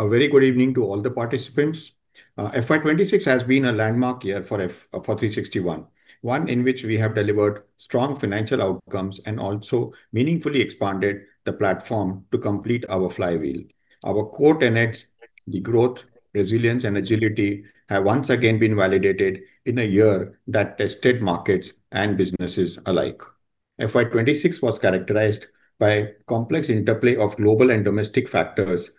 A very good evening to all the participants. FY 2026 has been a landmark year for 360 ONE in which we have delivered strong financial outcomes and also meaningfully expanded the platform to complete our flywheel. Our core tenets of growth, resilience, and agility have once again been validated in a year that tested markets and businesses alike. FY 2026 was characterized by complex interplay of global and domestic factors.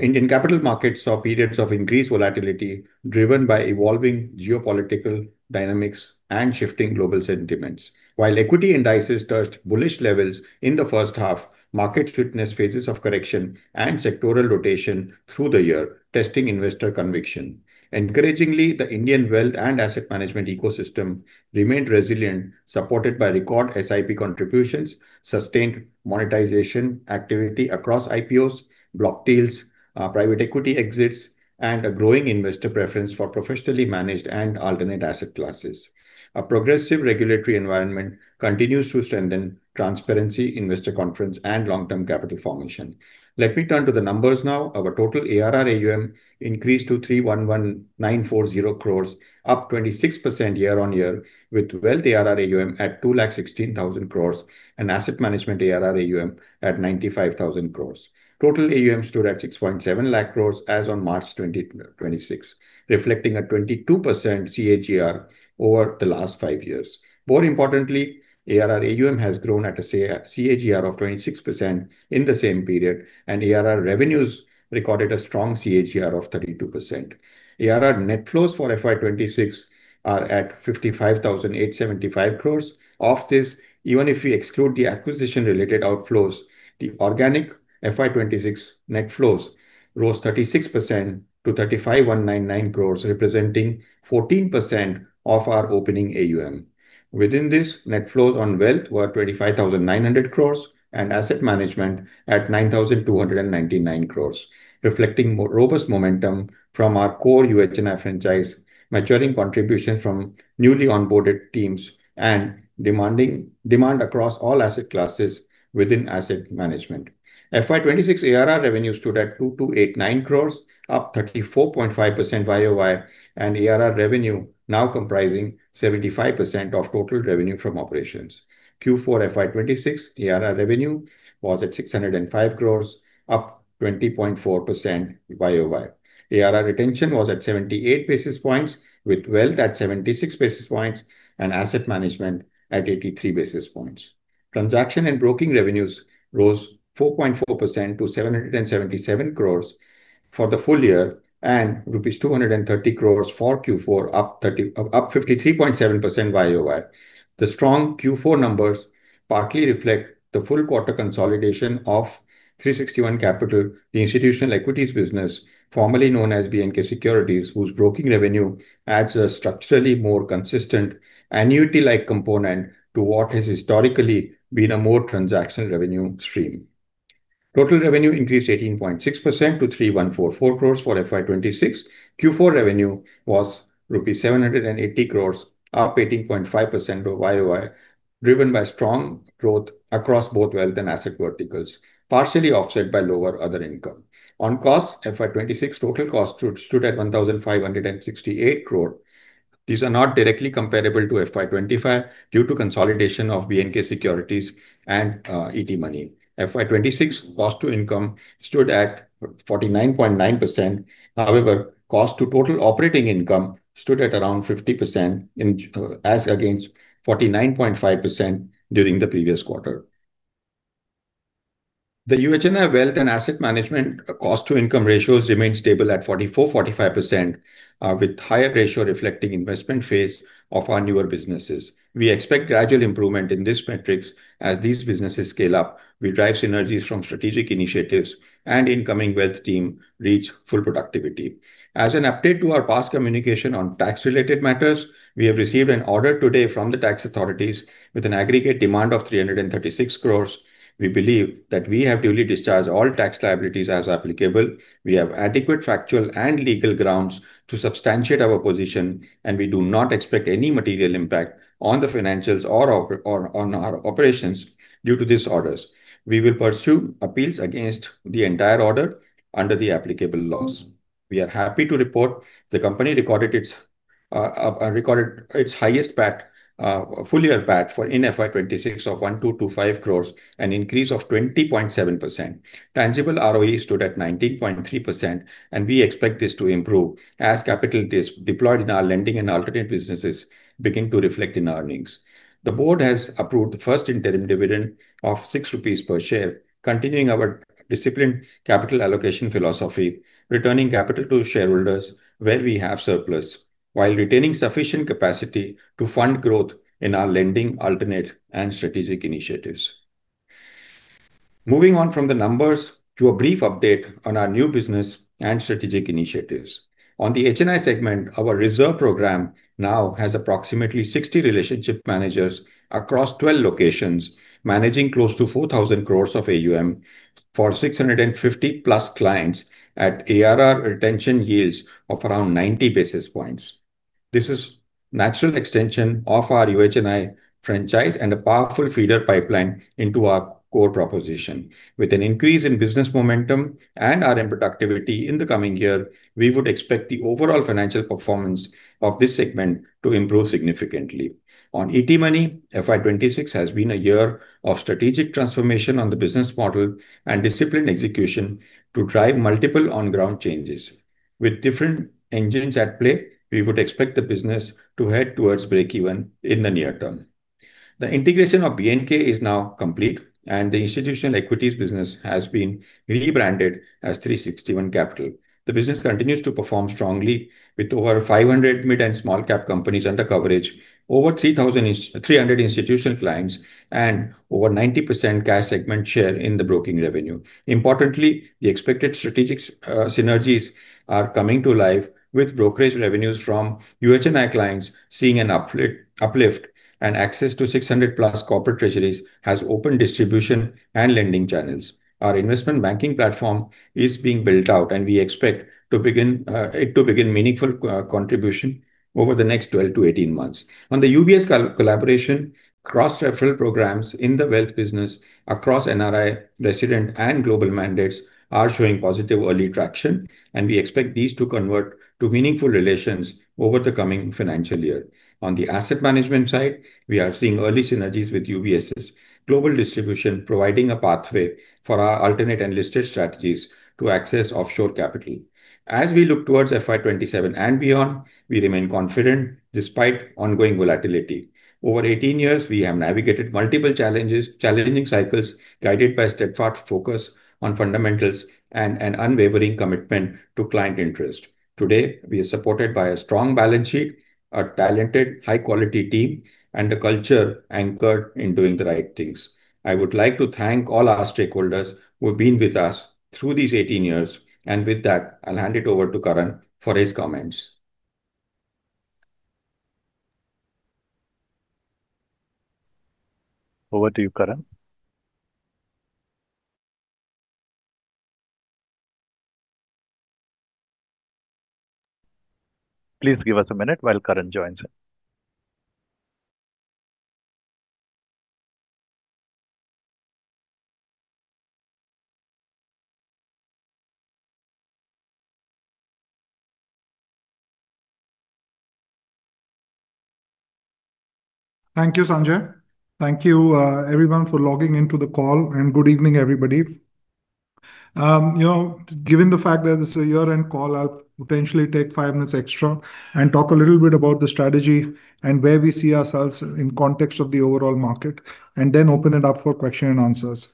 Indian capital markets saw periods of increased volatility driven by evolving geopolitical dynamics and shifting global sentiments. While equity indices touched bullish levels in the first half, markets witnessed phases of correction and sectoral rotation through the year, testing investor conviction. Encouragingly, the Indian wealth and asset management ecosystem remained resilient, supported by record SIP contributions, sustained monetization activity across IPOs, block deals, private equity exits, and a growing investor preference for professionally managed and alternative asset classes. A progressive regulatory environment continues to strengthen transparency, investor confidence, and long-term capital formation. Let me turn to the numbers now. Our total ARR AUM increased to 311,940 crore, up 26% year-on-year, with wealth ARR AUM at 216,000 crore and asset management ARR AUM at 95,000 crore. Total AUM stood at 670,000 crore as on March 2026, reflecting a 22% CAGR over the last five years. More importantly, ARR AUM has grown at a CAGR of 26% in the same period, and ARR revenues recorded a strong CAGR of 32%. ARR net flows for FY 2026 are at 55,875 crore. Of this, even if we exclude the acquisition related outflows, the organic FY 2026 net flows rose 36% to 35,199 crore, representing 14% of our opening AUM. Within this, net flows on wealth were 25,900 crore and asset management at 9,299 crore, reflecting robust momentum from our core UHNI franchise, maturing contribution from newly onboarded teams, and demand across all asset classes within asset management. FY 2026 ARR revenue stood at 2,289 crore, up 34.5% YoY, and ARR revenue now comprising 75% of total revenue from operations. Q4 FY 2026 ARR revenue was at 605 crore, up 20.4% YoY. ARR retention was at 78 basis points, with wealth at 76 basis points and asset management at 83 basis points. Transaction and broking revenues rose 4.4% to 777 crore for the full year and rupees 230 crore for Q4, up 53.7% YoY. The strong Q4 numbers partly reflect the full quarter consolidation of 360 ONE Capital, the institutional equities business formerly known as B&K Securities, whose broking revenue adds a structurally more consistent annuity-like component to what has historically been a more transaction revenue stream. Total revenue increased 18.6% to 3,144 crore for FY 2026. Q4 revenue was rupees 780 crore, up 18.5% YoY, driven by strong growth across both wealth and asset verticals, partially offset by lower other income. On costs, FY 2026 total costs stood at 1,568 crore. These are not directly comparable to FY 2025 due to consolidation of B&K Securities and ET Money. FY 2026 cost to income stood at 49.9%. However, cost to total operating income stood at around 50% as against 49.5% during the previous quarter. The UHNI wealth and asset management cost to income ratios remain stable at 44%-45%, with higher ratio reflecting investment phase of our newer businesses. We expect gradual improvement in these metrics as these businesses scale up, we drive synergies from strategic initiatives, and incoming wealth teams reach full productivity. As an update to our past communication on tax-related matters, we have received an order today from the tax authorities with an aggregate demand of 336 crore. We believe that we have duly discharged all tax liabilities as applicable. We have adequate factual and legal grounds to substantiate our position, and we do not expect any material impact on the financials or on our operations due to these orders. We will pursue appeals against the entire order under the applicable laws. We are happy to report the company recorded its highest PAT, full year PAT for FY 2026 of 1,225 crore, an increase of 20.7%. Tangible ROE stood at 19.3%, and we expect this to improve as capital deployed in our lending and alternative businesses begin to reflect in our earnings. The board has approved the first interim dividend of 6 rupees per share, continuing our disciplined capital allocation philosophy, returning capital to shareholders where we have surplus, while retaining sufficient capacity to fund growth in our lending, alternative and strategic initiatives. Moving on from the numbers to a brief update on our new business and strategic initiatives. On the HNI segment, our reserve program now has approximately 60 relationship managers across 12 locations, managing close to 4,000 crore of AUM for 650+ clients at ARR retention yields of around 90 basis points. This is natural extension of our UHNI franchise and a powerful feeder pipeline into our core proposition. With an increase in business momentum and our productivity in the coming year, we would expect the overall financial performance of this segment to improve significantly. On ET Money, FY 2026 has been a year of strategic transformation on the business model and disciplined execution to drive multiple on-ground changes. With different engines at play, we would expect the business to head towards breakeven in the near term. The integration of B&K is now complete, and the institutional equities business has been rebranded as 360 ONE Capital. The business continues to perform strongly with over 500 mid and small cap companies under coverage, over 3,300 institutional clients, and over 90% cash segment share in the broking revenue. Importantly, the expected strategic synergies are coming to life with brokerage revenues from UHNI clients seeing an uplift, and access to 600+ corporate treasuries has opened distribution and lending channels. Our investment banking platform is being built out, and we expect it to begin meaningful contribution over the next 12-18 months. On the UBS collaboration, cross-referral programs in the wealth business across NRI, resident, and global mandates are showing positive early traction, and we expect these to convert to meaningful relations over the coming financial year. On the asset management side, we are seeing early synergies with UBS's global distribution, providing a pathway for our alternative and listed strategies to access offshore capital. As we look towards FY 2027 and beyond, we remain confident despite ongoing volatility. Over 18 years, we have navigated multiple challenging cycles, guided by a steadfast focus on fundamentals and an unwavering commitment to client interest. Today, we are supported by a strong balance sheet, a talented, high-quality team, and a culture anchored in doing the right things. I would like to thank all our stakeholders who've been with us through these 18 years. With that, I'll hand it over to Karan for his comments. Over to you, Karan. Please give us a minute while Karan joins in. Thank you, Sanjay. Thank you everyone for logging into the call, and good evening, everybody. Given the fact that this is a year-end call, I'll potentially take five minutes extra and talk a little bit about the strategy and where we see ourselves in context of the overall market, and then open it up for question and answers.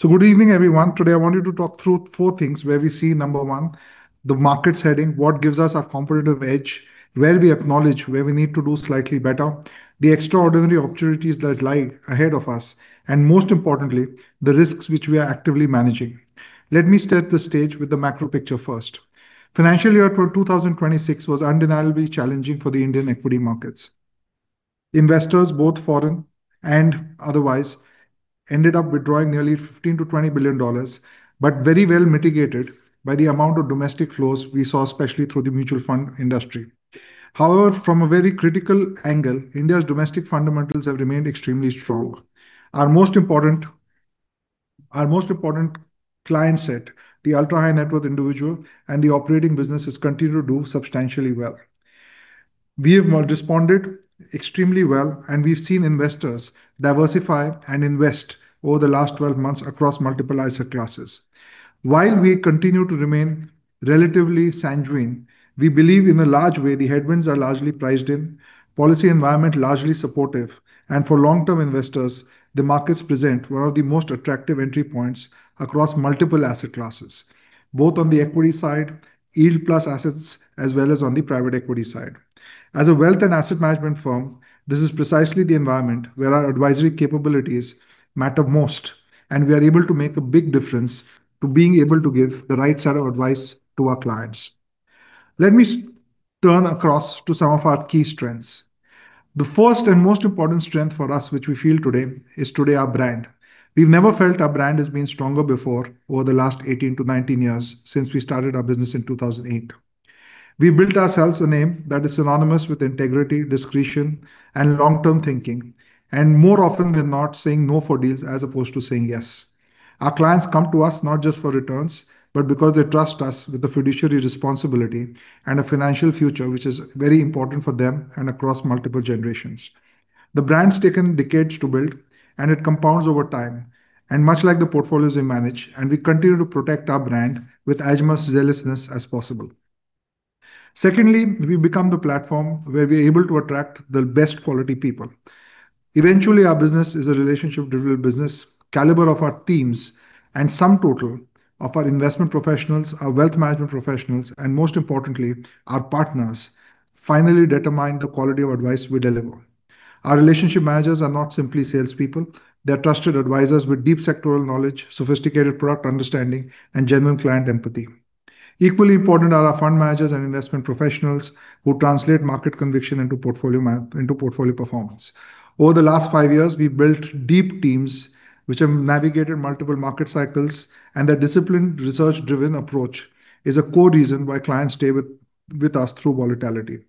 Good evening, everyone. Today, I wanted to talk through four things where we see, number one, the market's heading, what gives us our competitive edge, where we acknowledge where we need to do slightly better, the extraordinary opportunities that lie ahead of us, and most importantly, the risks which we are actively managing. Let me set the stage with the macro picture first. Financial year for 2026 was undeniably challenging for the Indian equity markets. Investors, both foreign and otherwise, ended up withdrawing nearly $15 billion-$20 billion, but very well mitigated by the amount of domestic flows we saw, especially through the mutual fund industry. However, from a very critical angle, India's domestic fundamentals have remained extremely strong. Our most important client set, the ultra-high-net-worth individual, and the operating businesses continue to do substantially well. We have responded extremely well, and we've seen investors diversify and invest over the last 12 months across multiple asset classes. While we continue to remain relatively sanguine, we believe in a large way the headwinds are largely priced in, policy environment largely supportive, and for long-term investors, the markets present one of the most attractive entry points across multiple asset classes, both on the equity side, yield plus assets, as well as on the private equity side. As a wealth and asset management firm, this is precisely the environment where our advisory capabilities matter most, and we are able to make a big difference to being able to give the right set of advice to our clients. Let me turn to some of our key strengths. The first and most important strength for us, which we feel today, is today our brand. We've never felt our brand has been stronger before over the last 18-19 years since we started our business in 2008. We built ourselves a name that is synonymous with integrity, discretion, and long-term thinking, and more often than not, saying no for deals as opposed to saying yes. Our clients come to us not just for returns, but because they trust us with the fiduciary responsibility and a financial future, which is very important for them and across multiple generations. The brand's taken decades to build, and it compounds over time, and much like the portfolios we manage, and we continue to protect our brand with as much zealousness as possible. Secondly, we've become the platform where we're able to attract the best quality people. Eventually, our business is a relationship-driven business. The caliber of our teams and sum total of our investment professionals, our wealth management professionals, and most importantly, our partners finally determine the quality of advice we deliver. Our relationship managers are not simply salespeople. They're trusted advisors with deep sectoral knowledge, sophisticated product understanding, and genuine client empathy. Equally important are our fund managers and investment professionals who translate market conviction into portfolio performance. Over the last five years, we've built deep teams which have navigated multiple market cycles, and their disciplined, research-driven approach is a core reason why clients stay with us through volatility.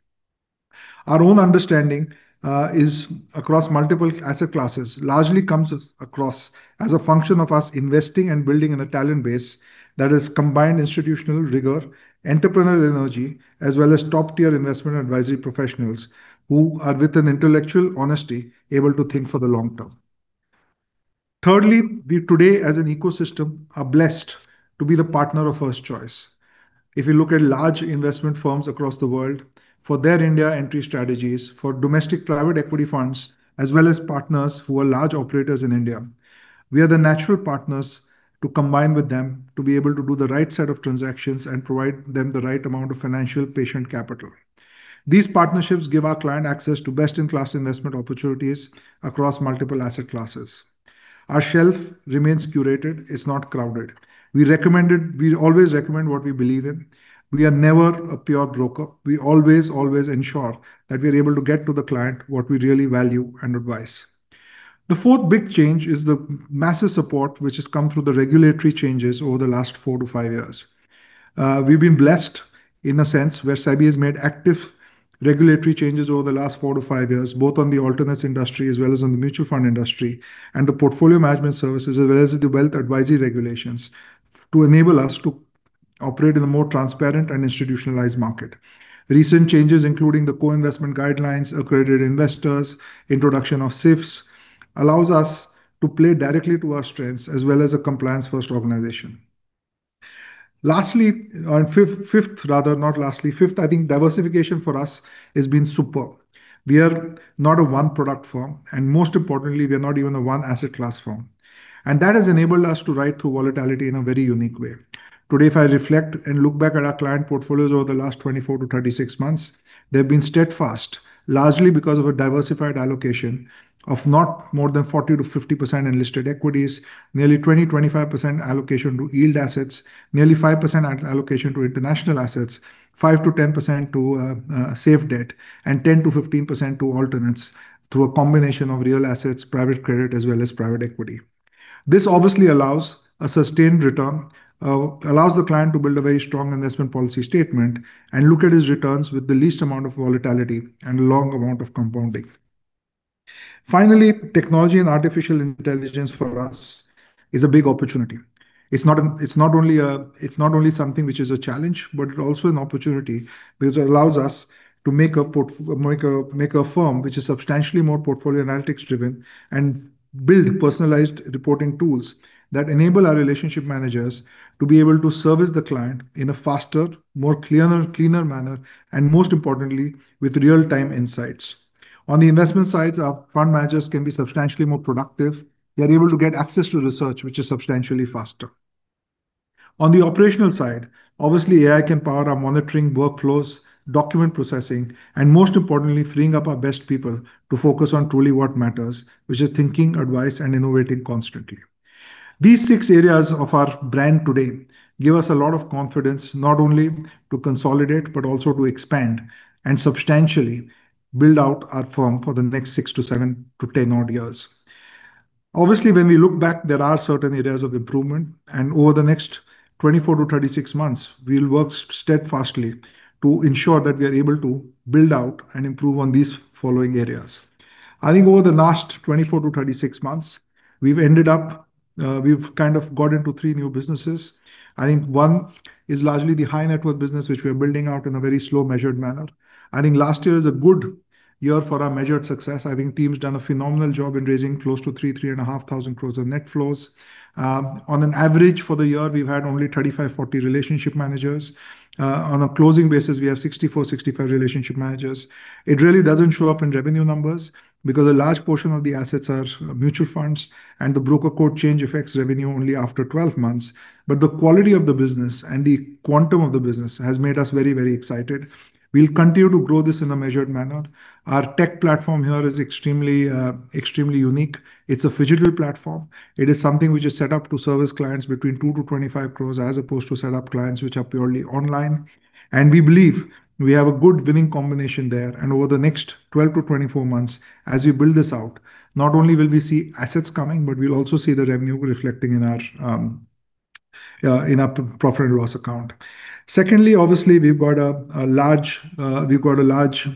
Our own understanding is across multiple asset classes, largely comes across as a function of us investing and building a talent base that has combined institutional rigor, entrepreneurial energy, as well as top-tier investment advisory professionals who are, with an intellectual honesty, able to think for the long term. Thirdly, we today as an ecosystem, are blessed to be the partner of first choice. If you look at large investment firms across the world, for their India entry strategies, for domestic private equity funds, as well as partners who are large operators in India, we are the natural partners to combine with them to be able to do the right set of transactions and provide them the right amount of financial patient capital. These partnerships give our client access to best-in-class investment opportunities across multiple asset classes. Our shelf remains curated. It's not crowded. We always recommend what we believe in. We are never a pure broker. We always ensure that we're able to get to the client what we really value and advise. The fourth big change is the massive support which has come through the regulatory changes over the last four-five years. We've been blessed, in a sense, where SEBI has made active regulatory changes over the last four-five years, both on the alternatives industry as well as on the mutual fund industry, and the portfolio management services, as well as the wealth advisory regulations, to enable us to operate in a more transparent and institutionalized market. Recent changes, including the co-investment guidelines, Accredited Investors, introduction of SIFS, allows us to play directly to our strengths as well as a compliance-first organization. Fifth, I think diversification for us has been superb. We are not a one-product firm, and most importantly, we are not even a one-asset class firm. That has enabled us to ride through volatility in a very unique way. Today, if I reflect and look back at our client portfolios over the last 24-36 months, they've been steadfast, largely because of a diversified allocation of not more than 40%-50% in listed equities, nearly 20%-25% allocation to yield assets, nearly 5% allocation to international assets, 5%-10% to safe debt, and 10%-15% to alternates through a combination of real assets, private credit, as well as private equity. This obviously allows a sustained return, allows the client to build a very strong investment policy statement, and look at his returns with the least amount of volatility and long amount of compounding. Finally, technology and artificial intelligence for us is a big opportunity. It's not only something which is a challenge, but also an opportunity because it allows us to make a firm which is substantially more portfolio analytics driven and build personalized reporting tools that enable our relationship managers to be able to service the client in a faster, more cleaner manner, and most importantly, with real-time insights. On the investment side, our fund managers can be substantially more productive. They are able to get access to research, which is substantially faster. On the operational side, obviously, AI can power our monitoring workflows, document processing, and most importantly, freeing up our best people to focus on truly what matters, which is thinking, advice, and innovating constantly. These six areas of our brand today give us a lot of confidence, not only to consolidate, but also to expand and substantially build out our firm for the next six to seven to 10-odd years. Obviously, when we look back, there are certain areas of improvement, and over the next 24-36 months, we'll work steadfastly to ensure that we are able to build out and improve on these following areas. I think over the last 24-36 months, we've kind of got into three new businesses. I think one is largely the high net worth business, which we are building out in a very slow, measured manner. I think last year is a good year for our measured success. I think team's done a phenomenal job in raising close to 3,000 crore-3,500 crore of net flows. On an average for the year, we've had only 35-40 relationship managers. On a closing basis, we have 64-65 relationship managers. It really doesn't show up in revenue numbers because a large portion of the assets are mutual funds, and the broker code change affects revenue only after 12 months. The quality of the business and the quantum of the business has made us very excited. We'll continue to grow this in a measured manner. Our tech platform here is extremely unique. It's a phygital platform. It is something which is set up to service clients between 2 crore-25 crore as opposed to set up clients which are purely online. We believe we have a good winning combination there. Over the next 12-24 months, as we build this out, not only will we see assets coming, but we'll also see the revenue reflecting in our profit and loss account. Secondly, obviously, we've got a large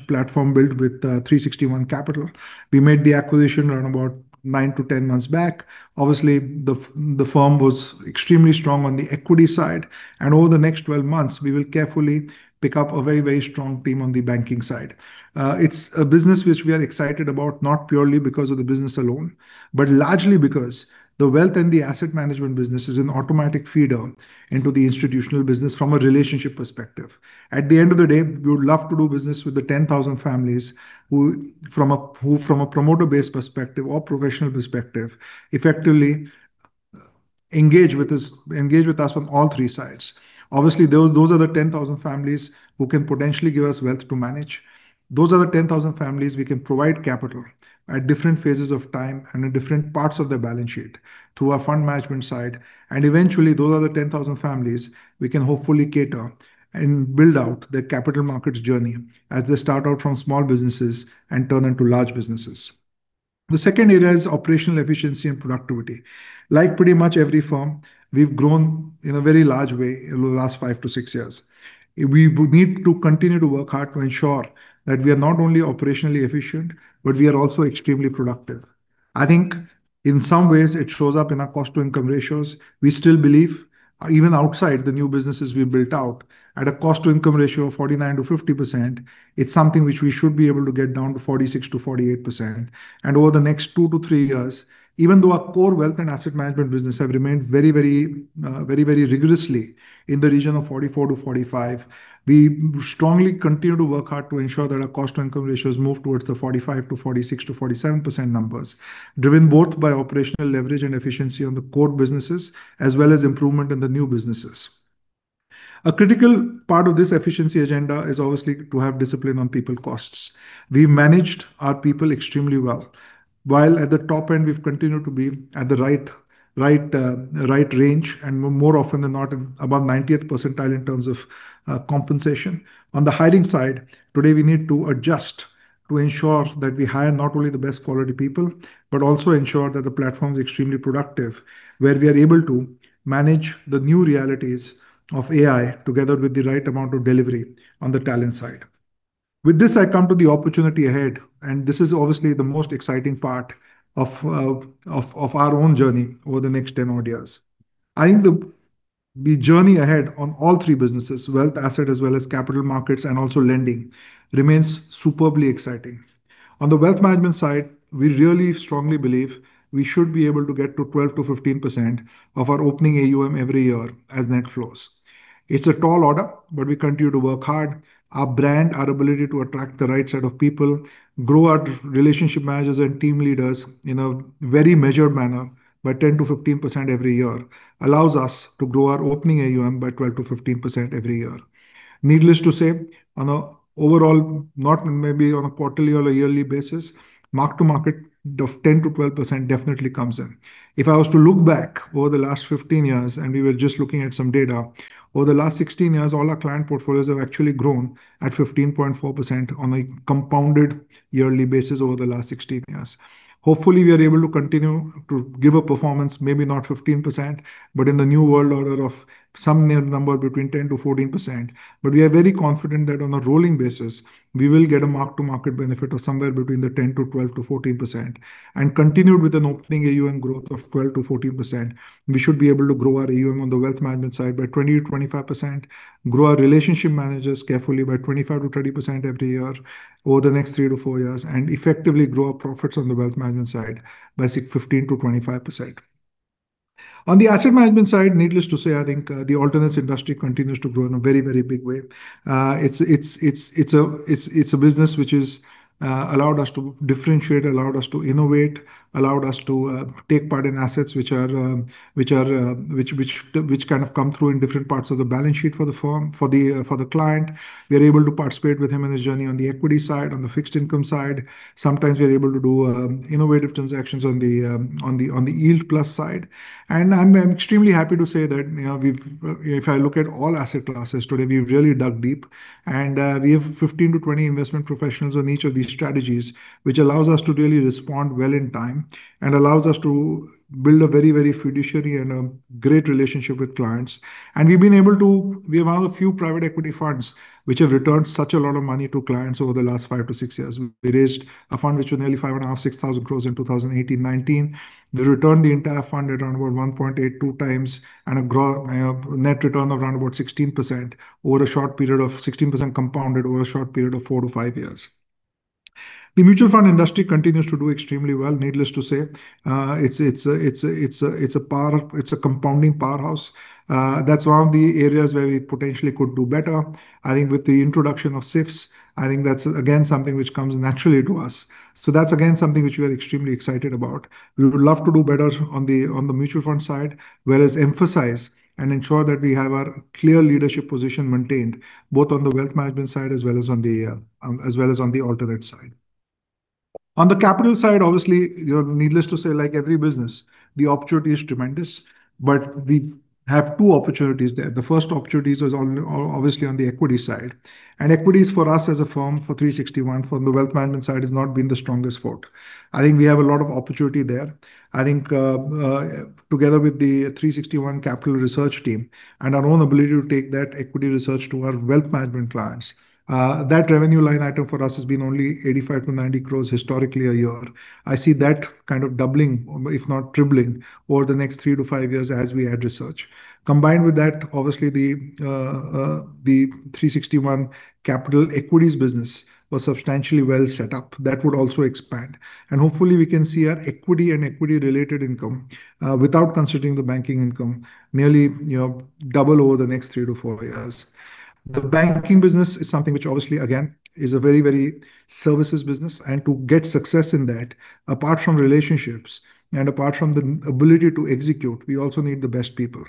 platform built with 360 ONE Capital. We made the acquisition around about nine-10 months back. Obviously, the firm was extremely strong on the equity side. Over the next 12 months, we will carefully pick up a very strong team on the banking side. It's a business which we are excited about, not purely because of the business alone, but largely because the wealth and the asset management business is an automatic feed-on into the institutional business from a relationship perspective. At the end of the day, we would love to do business with the 10,000 families who, from a promoter-based perspective or professional perspective, effectively engage with us on all three sides. Obviously, those are the 10,000 families who can potentially give us wealth to manage. Those are the 10,000 families we can provide capital at different phases of time and at different parts of their balance sheet through our fund management side. Eventually, those are the 10,000 families we can hopefully cater and build out their capital markets journey as they start out from small businesses and turn into large businesses. The second area is operational efficiency and productivity. Like pretty much every firm, we've grown in a very large way over the last five-six years. We would need to continue to work hard to ensure that we are not only operationally efficient, but we are also extremely productive. I think in some ways it shows up in our cost to income ratios. We still believe, even outside the new businesses we built out, at a cost to income ratio of 49%-50%, it's something which we should be able to get down to 46%-48%. Over the next two to three years, even though our core wealth and asset management business have remained very rigorously in the region of 44%-45%, we strongly continue to work hard to ensure that our cost to income ratios move towards the 45% to 46% to 47% numbers, driven both by operational leverage and efficiency on the core businesses, as well as improvement in the new businesses. A critical part of this efficiency agenda is obviously to have discipline on people costs. We managed our people extremely well while at the top end, we've continued to be at the right range, and more often than not, above 90th percentile in terms of compensation. On the hiring side, today we need to adjust to ensure that we hire not only the best quality people, but also ensure that the platform is extremely productive, where we are able to manage the new realities of AI together with the right amount of delivery on the talent side. With this, I come to the opportunity ahead, and this is obviously the most exciting part of our own journey over the next 10-odd years. I think the journey ahead on all three businesses, wealth, asset, as well as capital markets and also lending, remains superbly exciting. On the wealth management side, we really strongly believe we should be able to get to 12%-15% of our opening AUM every year as net flows. It's a tall order, but we continue to work hard. Our brand, our ability to attract the right set of people, grow our relationship managers and team leaders in a very measured manner by 10%-15% every year allows us to grow our opening AUM by 12%-15% every year. Needless to say, on an overall, not maybe on a quarterly or a yearly basis, mark-to-market of 10%-12% definitely comes in. If I was to look back over the last 15 years, and we were just looking at some data, over the last 16 years, all our client portfolios have actually grown at 15.4% on a compounded yearly basis over the last 16 years. Hopefully, we are able to continue to give a performance, maybe not 15%, but in the new world order of some number between 10%-14%. We are very confident that on a rolling basis, we will get a mark-to-market benefit of somewhere between 10%-12%-14%, and continued with an opening AUM growth of 12%-14%, we should be able to grow our AUM on the wealth management side by 20%-25%, grow our relationship managers carefully by 25%-30% every year over the next three-four years, and effectively grow our profits on the wealth management side by 15%-25%. On the asset management side, needless to say, I think the alternatives industry continues to grow in a very, very big way. It's a business which has allowed us to differentiate, allowed us to innovate, allowed us to take part in assets which kind of come through in different parts of the balance sheet for the client. We are able to participate with him in his journey on the equity side, on the fixed income side. Sometimes we are able to do innovative transactions on the yield plus side. I'm extremely happy to say that if I look at all asset classes today, we've really dug deep, and we have 15-20 investment professionals on each of these strategies, which allows us to really respond well in time and allows us to build a very fiduciary and a great relationship with clients. We've allowed a few private equity funds which have returned such a lot of money to clients over the last five-six years. We raised a fund which was nearly 5,500 crore-6,000 crore in 2018, 2019. We returned the entire fund at around about 1.82 times and a net return of around about 16% compounded over a short period of four to five years. The mutual fund industry continues to do extremely well, needless to say. It's a compounding powerhouse. That's one of the areas where we potentially could do better. I think with the introduction of SIFs, I think that's again something which comes naturally to us. That's again something which we are extremely excited about. We would love to do better on the mutual fund side, whereas emphasize and ensure that we have our clear leadership position maintained both on the wealth management side as well as on the alternates side. On the capital side, obviously, needless to say, like every business, the opportunity is tremendous, but we have two opportunities there. The first opportunity is obviously on the equity side. Equities for us as a firm for 360 ONE from the wealth management side has not been the strongest fort. I think we have a lot of opportunity there. I think together with the 360 ONE Capital research team and our own ability to take that equity research to our wealth management clients, that revenue line item for us has been only 85 crore-90 crore historically a year. I see that kind of doubling, if not tripling, over the next three-five years as we add research. Combined with that, obviously the 360 ONE Capital Equities business was substantially well set up. That would also expand, and hopefully we can see our equity and equity-related income, without considering the banking income, nearly double over the next three-four years. The banking business is something which obviously, again, is a very services business, and to get success in that, apart from relationships and apart from the ability to execute, we also need the best people.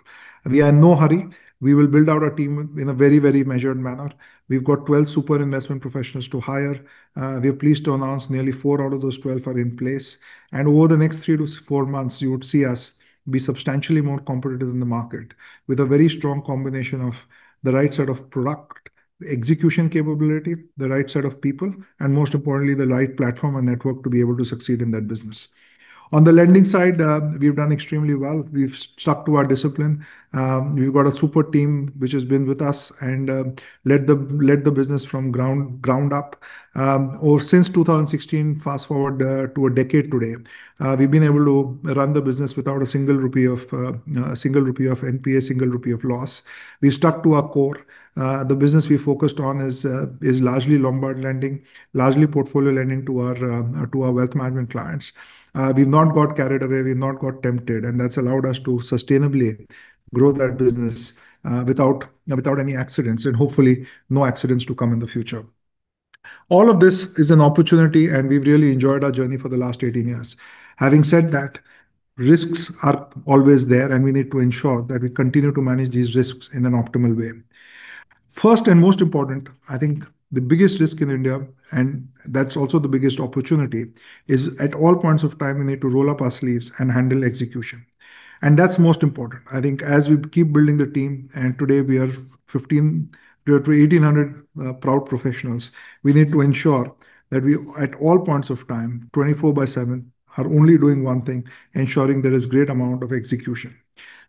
We are in no hurry. We will build out our team in a very measured manner. We've got 12 super investment professionals to hire. We are pleased to announce nearly four out of those 12 are in place. Over the next three-four months, you would see us be substantially more competitive in the market with a very strong combination of the right sort of product execution capability, the right set of people, and most importantly, the right platform and network to be able to succeed in that business. On the lending side, we've done extremely well. We've stuck to our discipline. We've got a super team which has been with us and led the business from ground up since 2016, fast-forward to a decade today, we've been able to run the business without INR 1 of NPA, INR 1 of loss. We've stuck to our core. The business we focused on is largely Lombard lending, largely portfolio lending to our wealth management clients. We've not got carried away, we've not got tempted, and that's allowed us to sustainably grow that business, without any accidents. Hopefully, no accidents to come in the future. All of this is an opportunity, and we've really enjoyed our journey for the last 18 years. Having said that, risks are always there, and we need to ensure that we continue to manage these risks in an optimal way. First and most important, I think the biggest risk in India, and that's also the biggest opportunity, is at all points of time, we need to roll up our sleeves and handle execution. That's most important. I think as we keep building the team, and today we are 1,500-1,800 proud professionals, we need to ensure that we, at all points of time, 24/7, are only doing one thing, ensuring there is great amount of execution.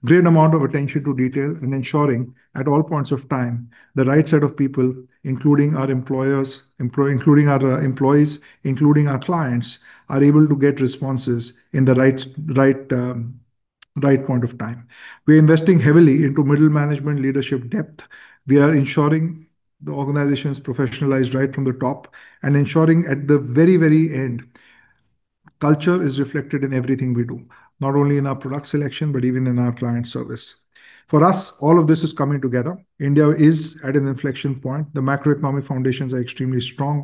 Great amount of attention to detail, and ensuring at all points of time, the right set of people, including our employees, including our clients, are able to get responses in the right point of time. We're investing heavily into middle management leadership depth. We are ensuring the organization's professionalized right from the top, and ensuring at the very, very end, culture is reflected in everything we do, not only in our product selection, but even in our client service. For us, all of this is coming together. India is at an inflection point. The macroeconomic foundations are extremely strong.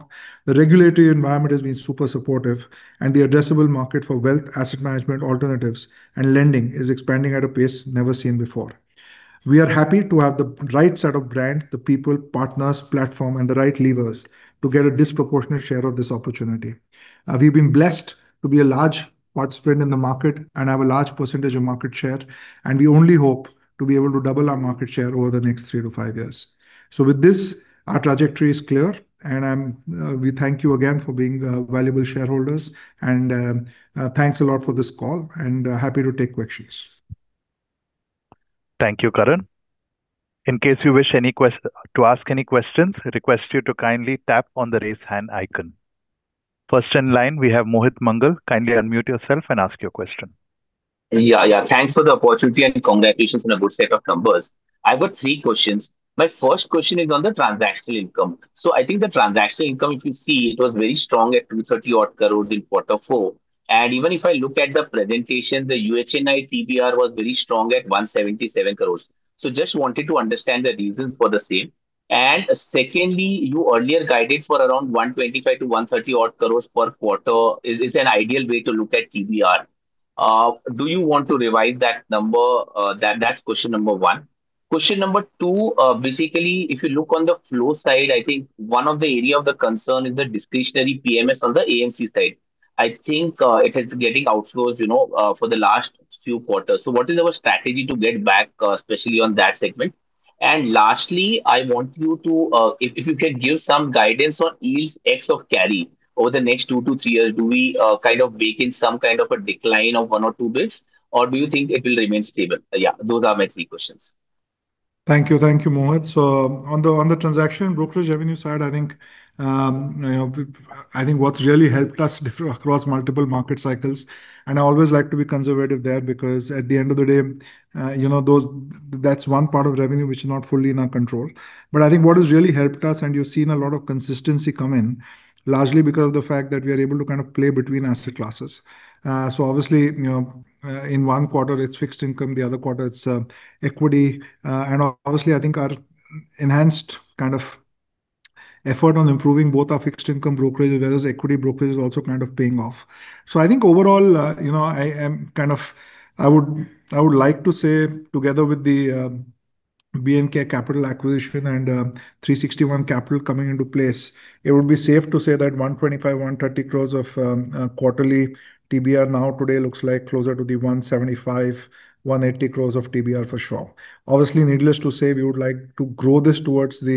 The regulatory environment has been super supportive. The addressable market for wealth asset management alternatives and lending is expanding at a pace never seen before. We are happy to have the right set of brand, the people, partners, platform, and the right levers to get a disproportionate share of this opportunity. We've been blessed to be a large participant in the market and have a large percentage of market share, and we only hope to be able to double our market share over the next three-five years. With this, our trajectory is clear and we thank you again for being valuable shareholders. Thanks a lot for this call and happy to take questions. Thank you, Karan. In case you wish to ask any questions, I request you to kindly tap on the Raise Hand icon. First in line, we have Mohit Mangal. Kindly unmute yourself and ask your question. Yeah. Thanks for the opportunity, and congratulations on a good set of numbers. I've got three questions. My first question is on the transactional income. I think the transactional income, if you see, it was very strong at 230-odd crore in quarter four. Even if I look at the presentation, the UHNI TBR was very strong at 177 crore. Just wanted to understand the reasons for the same. Secondly, you earlier guided for around 125-130-odd crore per quarter is an ideal way to look at TBR. Do you want to revise that number? That's question number one. Question number two, basically, if you look on the flow side, I think one of the area of the concern is the discretionary PMS on the AMC side. I think it has been getting outflows for the last few quarters. What is our strategy to get back, especially on that segment? Lastly, if you can give some guidance on yields ex-carry over the next two-three years. Do we kind of bake in some kind of a decline of 1 basis points or 2 basis points, or do you think it will remain stable? Yeah, those are my three questions. Thank you, Mohit. On the transaction brokerage revenue side, I think what's really helped us differ across multiple market cycles, and I always like to be conservative there because at the end of the day, that's one part of revenue which is not fully in our control. I think what has really helped us, and you've seen a lot of consistency come in, largely because of the fact that we are able to kind of play between asset classes. Obviously, in one quarter it's fixed income, the other quarter it's equity. Obviously, I think our enhanced kind of effort on improving both our fixed income brokerage as well as equity brokerage is also kind of paying off. I think overall, I would like to say, together with the B&K Capital acquisition and 360 ONE Capital coming into place, it would be safe to say that 125 crore-130 crore of quarterly TBR now today looks like closer to the 175 crore-180 crore of TBR for sure. Obviously, needless to say, we would like to grow this towards north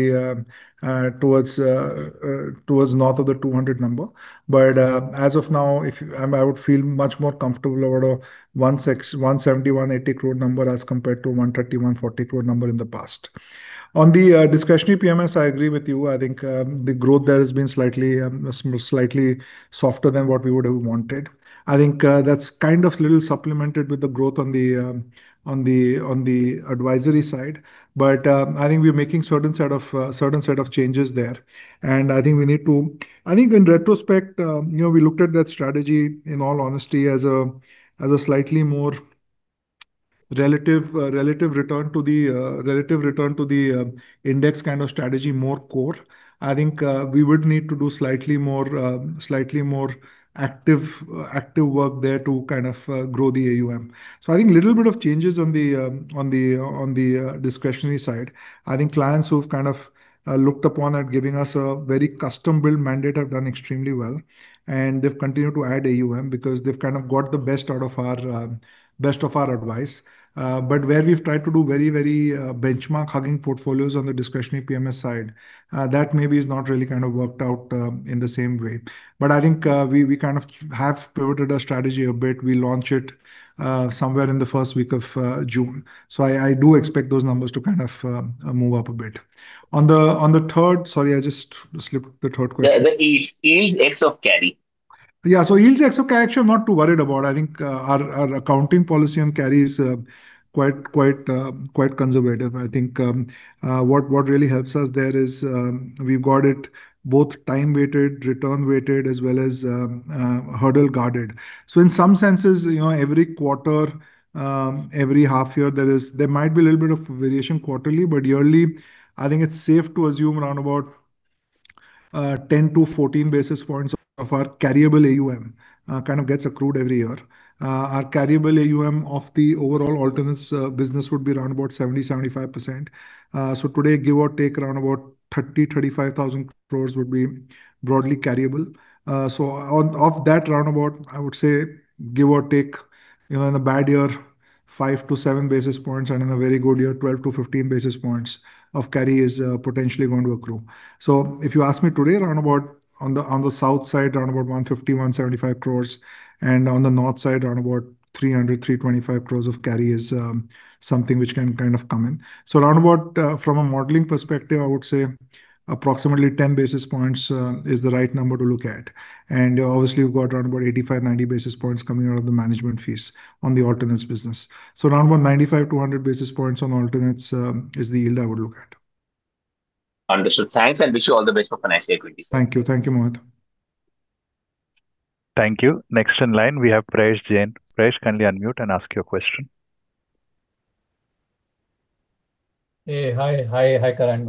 of the 200 number. I would feel much more comfortable over the 170 crore-180 crore number as compared to 130 crore-140 crore number in the past. On the discretionary PMS, I agree with you. I think the growth there has been slightly softer than what we would have wanted. I think that's kind of little supplemented with the growth on the advisory side. I think we're making certain set of changes there. I think in retrospect, we looked at that strategy, in all honesty, as a slightly more relative return to the index kind of strategy, more core. I think we would need to do slightly more active work there to kind of grow the AUM. I think little bit of changes on the discretionary side. I think clients who've kind of looked upon at giving us a very custom-built mandate have done extremely well, and they've continued to add AUM because they've kind of got the best of our advice. But where we've tried to do very, very benchmark hugging portfolios on the discretionary PMS side, that maybe has not really kind of worked out in the same way. But I think we kind of have pivoted our strategy a bit. We'll launch it somewhere in the first week of June. I do expect those numbers to kind of move up a bit. Sorry, I just slipped. The third question. The yields ex of carry. Yeah. Yields, actually I'm not too worried about. I think our accounting policy on carry is quite conservative. I think what really helps us there is we've got it both time-weighted, return-weighted, as well as hurdle-guarded. In some senses, every quarter, every half year, there might be a little bit of variation quarterly, but yearly, I think it's safe to assume around about 10 basis points-14 basis points of our carriable AUM kind of gets accrued every year. Our carriable AUM of the overall alternatives business would be around about 70%-75%. Today, give or take around about 30,000 crore-35,000 crore would be broadly carriable. Of that roundabout, I would say give or take, in a bad year, 5 basis points-7 basis points, and in a very good year, 12 basis points-15 basis points of carry is potentially going to accrue. If you ask me today, on the south side, around about 150 crore-175 crore and on the north side, around about 300 crore-325 crore of carry is something which can kind of come in. Around about from a modeling perspective, I would say approximately 10 basis points is the right number to look at. Obviously you've got around about 85 basis points-90 basis points coming out of the management fees on the alternates business. Around about 95 basis points-200 basis points on alternates is the yield I would look at. Understood. Thanks, and I wish you all the best for financial year ahead. Thank you. Thank you, Mohit. Thank you. Next in line we have Paresh Jain. Paresh, kindly unmute and ask your question. Hey. Hi, Karan.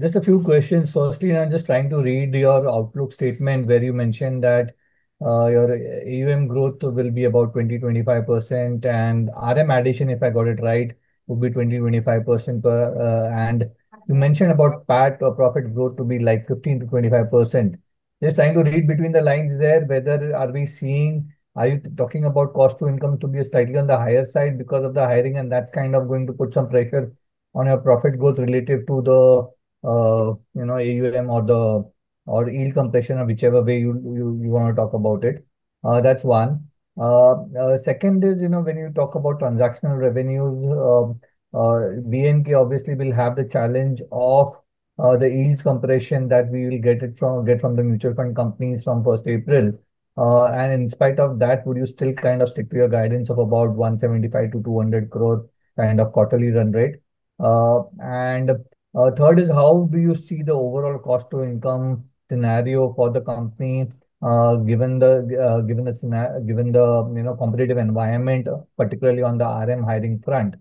Just a few questions. Firstly, I'm just trying to read your outlook statement where you mentioned that your AUM growth will be about 20%-25% and RM addition, if I got it right, will be 20%-25%. You mentioned about PAT or profit growth to be 15%-25%. Just trying to read between the lines there whether are we seeing, are you talking about cost to income to be slightly on the higher side because of the hiring and that's kind of going to put some pressure on your profit growth related to the AUM or the yield compression or whichever way you want to talk about it. That's one. Second is, when you talk about transactional revenues, B&K obviously will have the challenge of the yields compression that we will get from the mutual fund companies from 1st April. In spite of that, would you still kind of stick to your guidance of about 175 crore-200 crore kind of quarterly run rate? Third is, how do you see the overall cost to income scenario for the company given the competitive environment, particularly on the RM hiring front?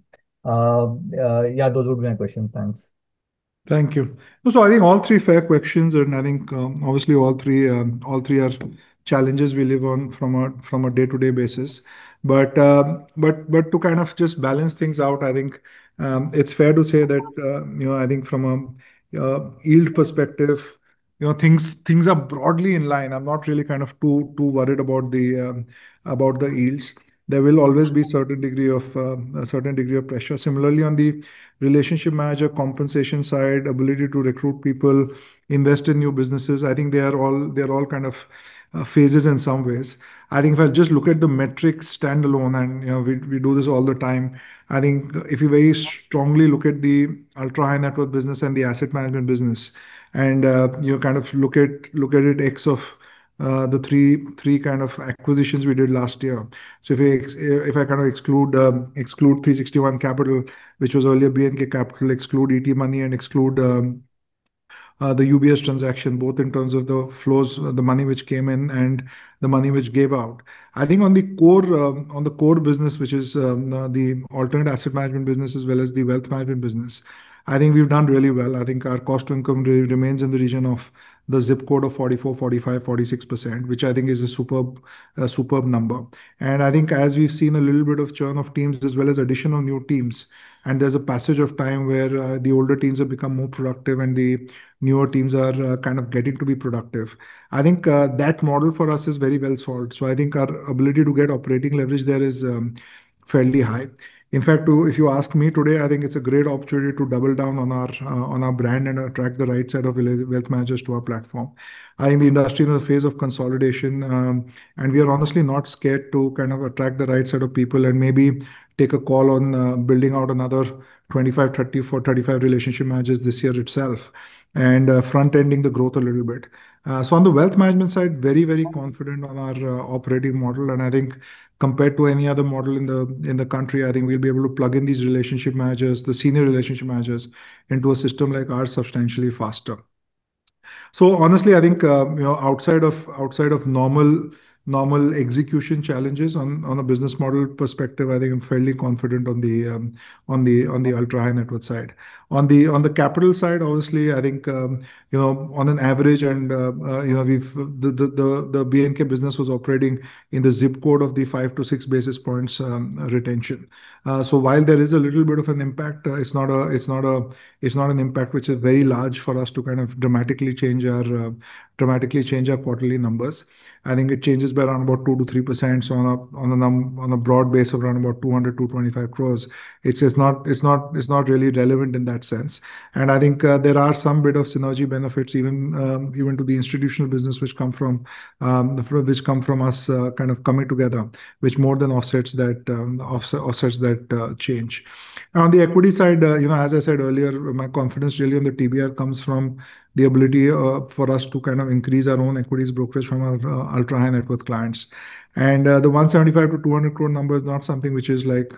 Yeah, those would be my questions. Thanks. Thank you. I think all three are fair questions and I think obviously all three are challenges we live with from a day-to-day basis. I think it's fair to say that, I think from a yield perspective, things are broadly in line. I'm not really kind of too worried about the yields. There will always be a certain degree of pressure. Similarly, on the relationship manager compensation side, ability to recruit people, invest in new businesses, I think they're all kind of phases in some ways. I think if I just look at the metrics standalone, and we do this all the time. I think if you very strongly look at the ultra-high-net-worth business and the asset management business, and you kind of look at it ex of the three kind of acquisitions we did last year. If I kind of exclude 360 ONE Capital, which was earlier B&K Securities, exclude ET Money and exclude the UBS transaction, both in terms of the flows, the money which came in and the money which went out. I think on the core business, which is the alternative asset management business as well as the wealth management business, I think we've done really well. I think our cost to income really remains in the region of the ZIP code of 44%-46%, which I think is a superb number. I think as we've seen a little bit of churn of teams as well as addition of new teams, and there's a passage of time where the older teams have become more productive and the newer teams are kind of getting to be productive. I think that model for us is very well solved. I think our ability to get operating leverage there is fairly high. In fact, if you ask me today, I think it's a great opportunity to double down on our brand and attract the right set of wealth managers to our platform. I think the industry is in a phase of consolidation, and we are honestly not scared to kind of attract the right set of people and maybe take a call on building out another 25, 34, 35 relationship managers this year itself and front-ending the growth a little bit. On the wealth management side, very, very confident on our operating model, and I think compared to any other model in the country, I think we'll be able to plug in these relationship managers, the senior relationship managers, into a system like ours substantially faster. Honestly, I think, outside of normal execution challenges on a business model perspective, I think I'm fairly confident on the ultra-high-net-worth side. On the capital side, obviously, I think, on an average and the B&K business was operating in the ZIP code of the 5 basis points-6 basis points retention. While there is a little bit of an impact, it's not an impact which is very large for us to kind of dramatically change our quarterly numbers. I think it changes by around about 2%-3% on a broad base of around about 200 crore-225 crore. It's not really relevant in that sense. I think there are some bit of synergy benefits even to the institutional business which come from us kind of coming together, which more than offsets that change. Now, on the equity side, as I said earlier, my confidence really on the TBR comes from the ability for us to kind of increase our own equities brokerage from our ultra-high-net-worth clients. The 175 crore-200 crore number is not something which is like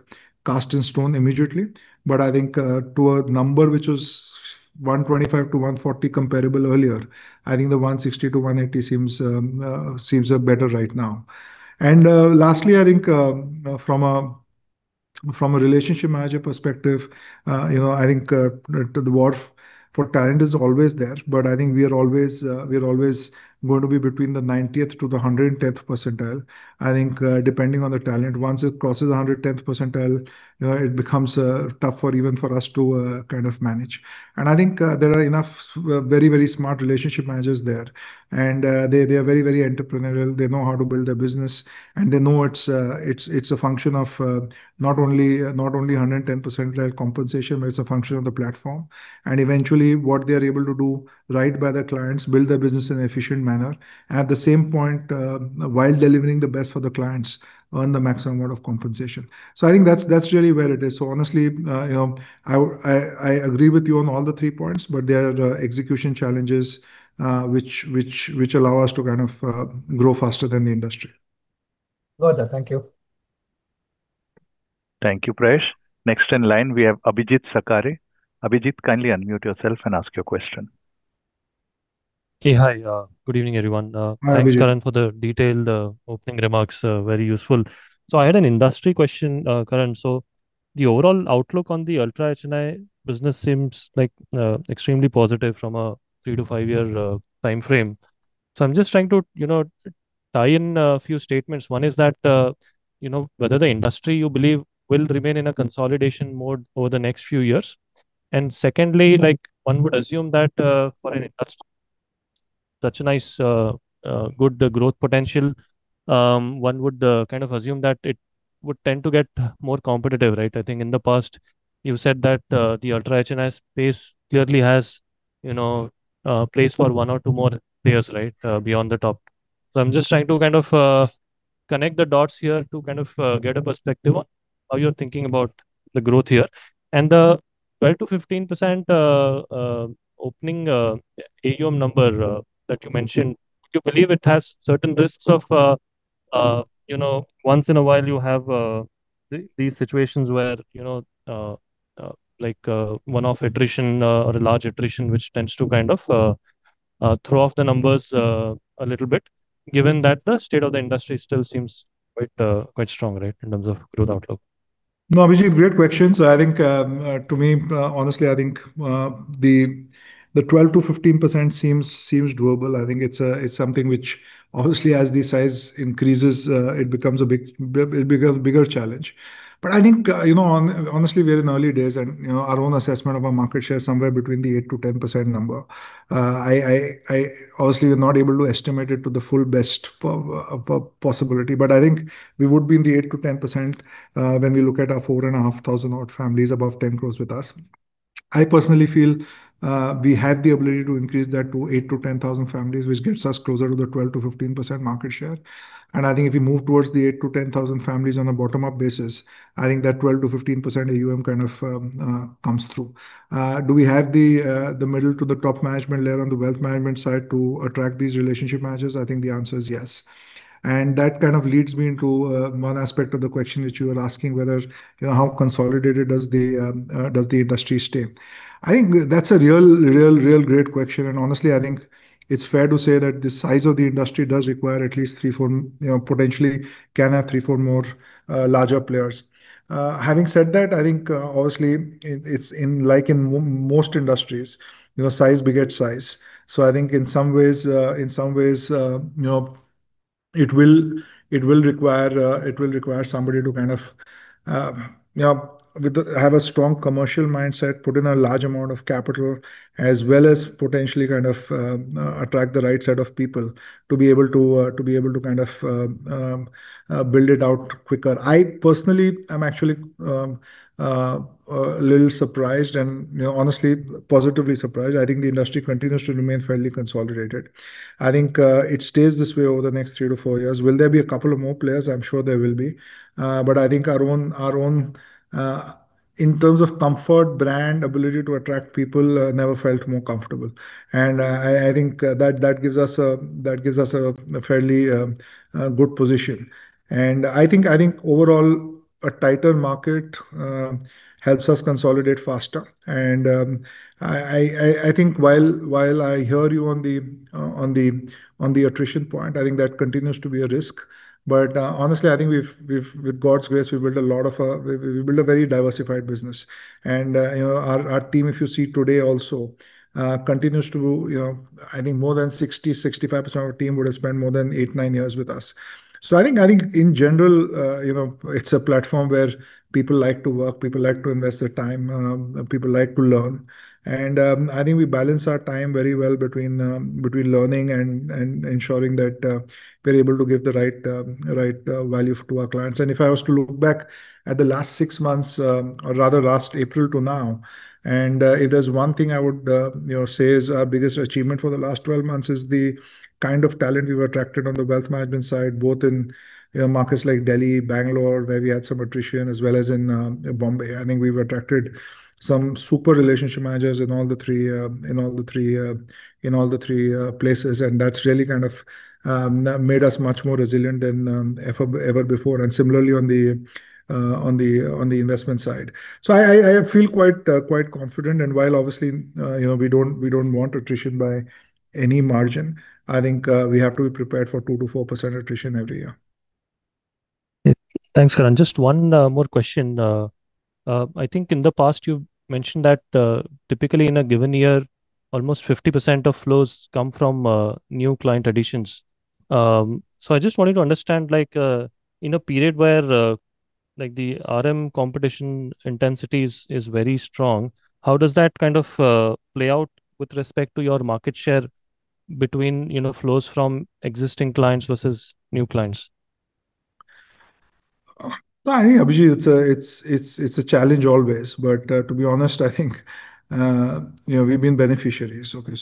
cast in stone immediately. I think compared to a number which was 125 crore-140 crore earlier, I think the 160 crore-180 crore seems better right now. Lastly, I think from a relationship manager perspective, I think the war for talent is always there, but I think we're always going to be between the 90th to the 110th percentile. I think, depending on the talent, once it crosses 110th percentile, it becomes tougher even for us to kind of manage. I think there are enough very smart relationship managers there. They're very entrepreneurial. They know how to build their business, and they know it's a function of not only 110th percentile compensation, but it's a function of the platform. Eventually what they are able to do right by their clients, build their business in an efficient manner. At the same point, while delivering the best for the clients, earn the maximum amount of compensation. I think that's really where it is. Honestly, I agree with you on all the three points, but there are execution challenges, which allow us to kind of grow faster than the industry. Got that. Thank you. Thank you, Paresh. Next in line, we have Abhijeet Sakhare. Abhijeet, kindly unmute yourself and ask your question. Okay. Hi, good evening, everyone. Hi, Abhijeet. Thanks, Karan, for the detailed opening remarks. Very useful. I had an industry question, Karan. The overall outlook on the ultra HNI business seems extremely positive from a three-five-year timeframe. I'm just trying to tie in a few statements. One is that whether the industry, you believe, will remain in a consolidation mode over the next few years? Secondly, one would assume that for an industry with such a nice, good growth potential, one would kind of assume that it would tend to get more competitive, right? I think in the past you said that the ultra HNI space clearly has place for one or two more players, right, beyond the top. I'm just trying to kind of connect the dots here to kind of get a perspective on how you're thinking about the growth here. The 12%-15% opening AUM number that you mentioned, do you believe it has certain risks of once in a while you have these situations where one-off attrition or a large attrition, which tends to kind of throw off the numbers a little bit, given that the state of the industry still seems quite strong, right, in terms of growth outlook? No, Abhijeet, great question. I think to me, honestly, I think the 12%-15% seems doable. I think it's something which obviously as the size increases it becomes a bigger challenge. I think, honestly, we're in early days and our own assessment of our market share is somewhere between the 8%-10% number. Obviously, we're not able to estimate it to the full best possibility, but I think we would be in the 8%-10% when we look at our 4,500-odd families above 10 crore with us. I personally feel we have the ability to increase that to 8,000-10,000 families, which gets us closer to the 12%-15% market share. I think if we move towards the 8,000-10,000 families on a bottom-up basis, I think that 12%-15% AUM kind of comes through. Do we have the middle to the top management layer on the wealth management side to attract these relationship managers? I think the answer is yes. That kind of leads me into one aspect of the question that you were asking, how consolidated does the industry stay? I think that's a real great question, and honestly, I think it's fair to say that the size of the industry does require at least three, four. Potentially can have three, four more larger players. Having said that, I think obviously, it's like in most industries, size begets size. I think in some ways it will require somebody to kind of have a strong commercial mindset, put in a large amount of capital, as well as potentially kind of attract the right set of people to be able to kind of build it out quicker. I personally am actually a little surprised and, honestly, positively surprised. I think the industry continues to remain fairly consolidated. I think it stays this way over the next three-four years. Will there be a couple of more players? I'm sure there will be. I think our own, in terms of comfort, brand, ability to attract people, never felt more comfortable. I think that gives us a fairly good position. I think overall a tighter market helps us consolidate faster. I think while I hear you on the attrition point, I think that continues to be a risk. Honestly, I think with God's grace, we build a very diversified business. Our team, if you see today also, continues to, I think more than 60%-65% of our team would have spent more than eight-nine years with us. I think in general, it's a platform where people like to work, people like to invest their time, people like to learn. I think we balance our time very well between learning and ensuring that we're able to give the right value to our clients. If I was to look back at the last six months, or rather last April to now, and if there's one thing I would say is our biggest achievement for the last 12 months is the kind of talent we've attracted on the wealth management side, both in markets like Delhi, Bangalore, where we had some attrition, as well as in Bombay. I think we've attracted some super relationship managers in all the three places. That's really kind of made us much more resilient than ever before. Similarly on the investment side. I feel quite confident. While obviously we don't want attrition by any margin, I think we have to be prepared for 2%-4% attrition every year. Thanks, Karan. Just one more question. I think in the past you've mentioned that typically in a given year, almost 50% of flows come from new client additions. I just wanted to understand, in a period where the RM competition intensity is very strong, how does that play out with respect to your market share between flows from existing clients versus new clients? I think, Abhijeet, it's a challenge always. To be honest, I think, we've been beneficiaries. Okay,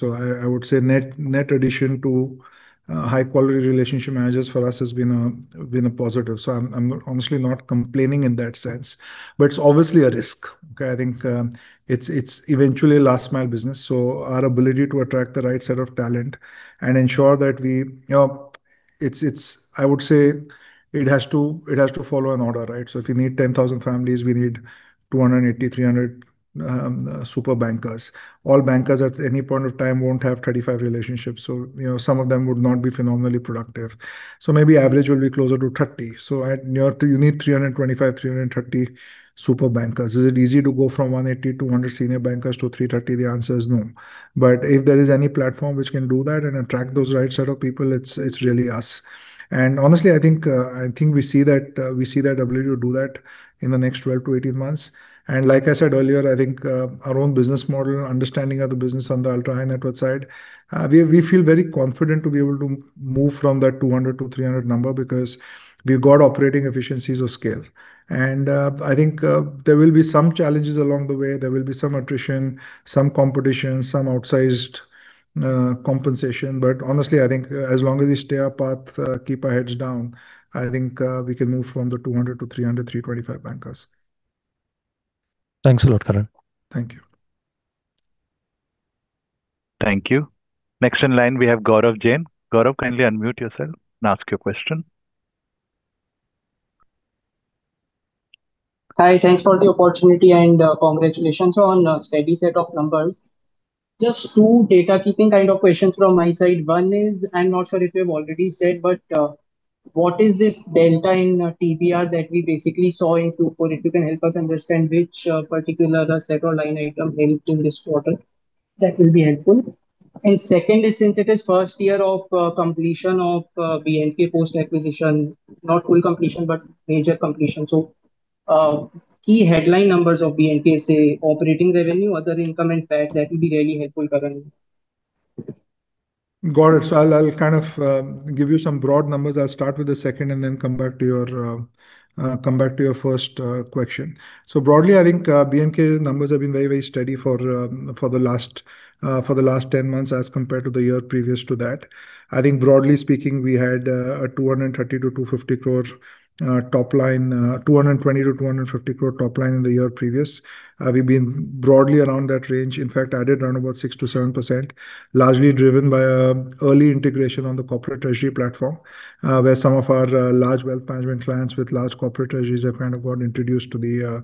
I would say net addition to high-quality relationship managers for us has been a positive. I'm honestly not complaining in that sense, but it's obviously a risk. I think it's eventually a last-mile business, so our ability to attract the right set of talent and ensure that, I would say, it has to follow an order, right? If you need 10,000 families, we need 280, 300 super bankers. All bankers at any point of time won't have 35 relationships, so some of them would not be phenomenally productive. Maybe average will be closer to 30. You need 325, 330 super bankers. Is it easy to go from 180, 200 senior bankers to 330? The answer is no. If there is any platform which can do that and attract those right set of people, it's really us. Honestly, I think we see that ability to do that in the next 12-18 months. Like I said earlier, I think our own business model and understanding of the business on the ultra-high-net-worth side, we feel very confident to be able to move from that 200 to 300 number because we've got operating efficiencies of scale. I think there will be some challenges along the way. There will be some attrition, some competition, some outsized compensation. Honestly, I think as long as we stay our path, keep our heads down, I think we can move from the 200 to 300, 325 bankers. Thanks a lot, Karan. Thank you. Thank you. Next in line, we have Gaurav Jain. Gaurav, kindly unmute yourself and ask your question. Hi. Thanks for the opportunity, and congratulations on a steady set of numbers. Just two data keeping kind of questions from my side. One is, I'm not sure if you've already said, but what is this delta in TBR that we basically saw in Q4? If you can help us understand which particular set or line item helped in this quarter, that will be helpful. Second is, since it is first year of completion of B&K post-acquisition, not full completion, but major completion. Key headline numbers of B&K, say, operating revenue, other income impact, that would be really helpful, Karan. Gaurav, I'll give you some broad numbers. I'll start with the second and then come back to your first question. Broadly, I think B&K numbers have been very, very steady for the last 10 months as compared to the year previous to that. I think broadly speaking, we had 230 crore-250 crore top line, 220 crore-250 crore top line in the year previous. We've been broadly around that range. In fact, added around about 6%-7%, largely driven by early integration on the corporate treasury platform, where some of our large wealth management clients with large corporate treasuries have got introduced to the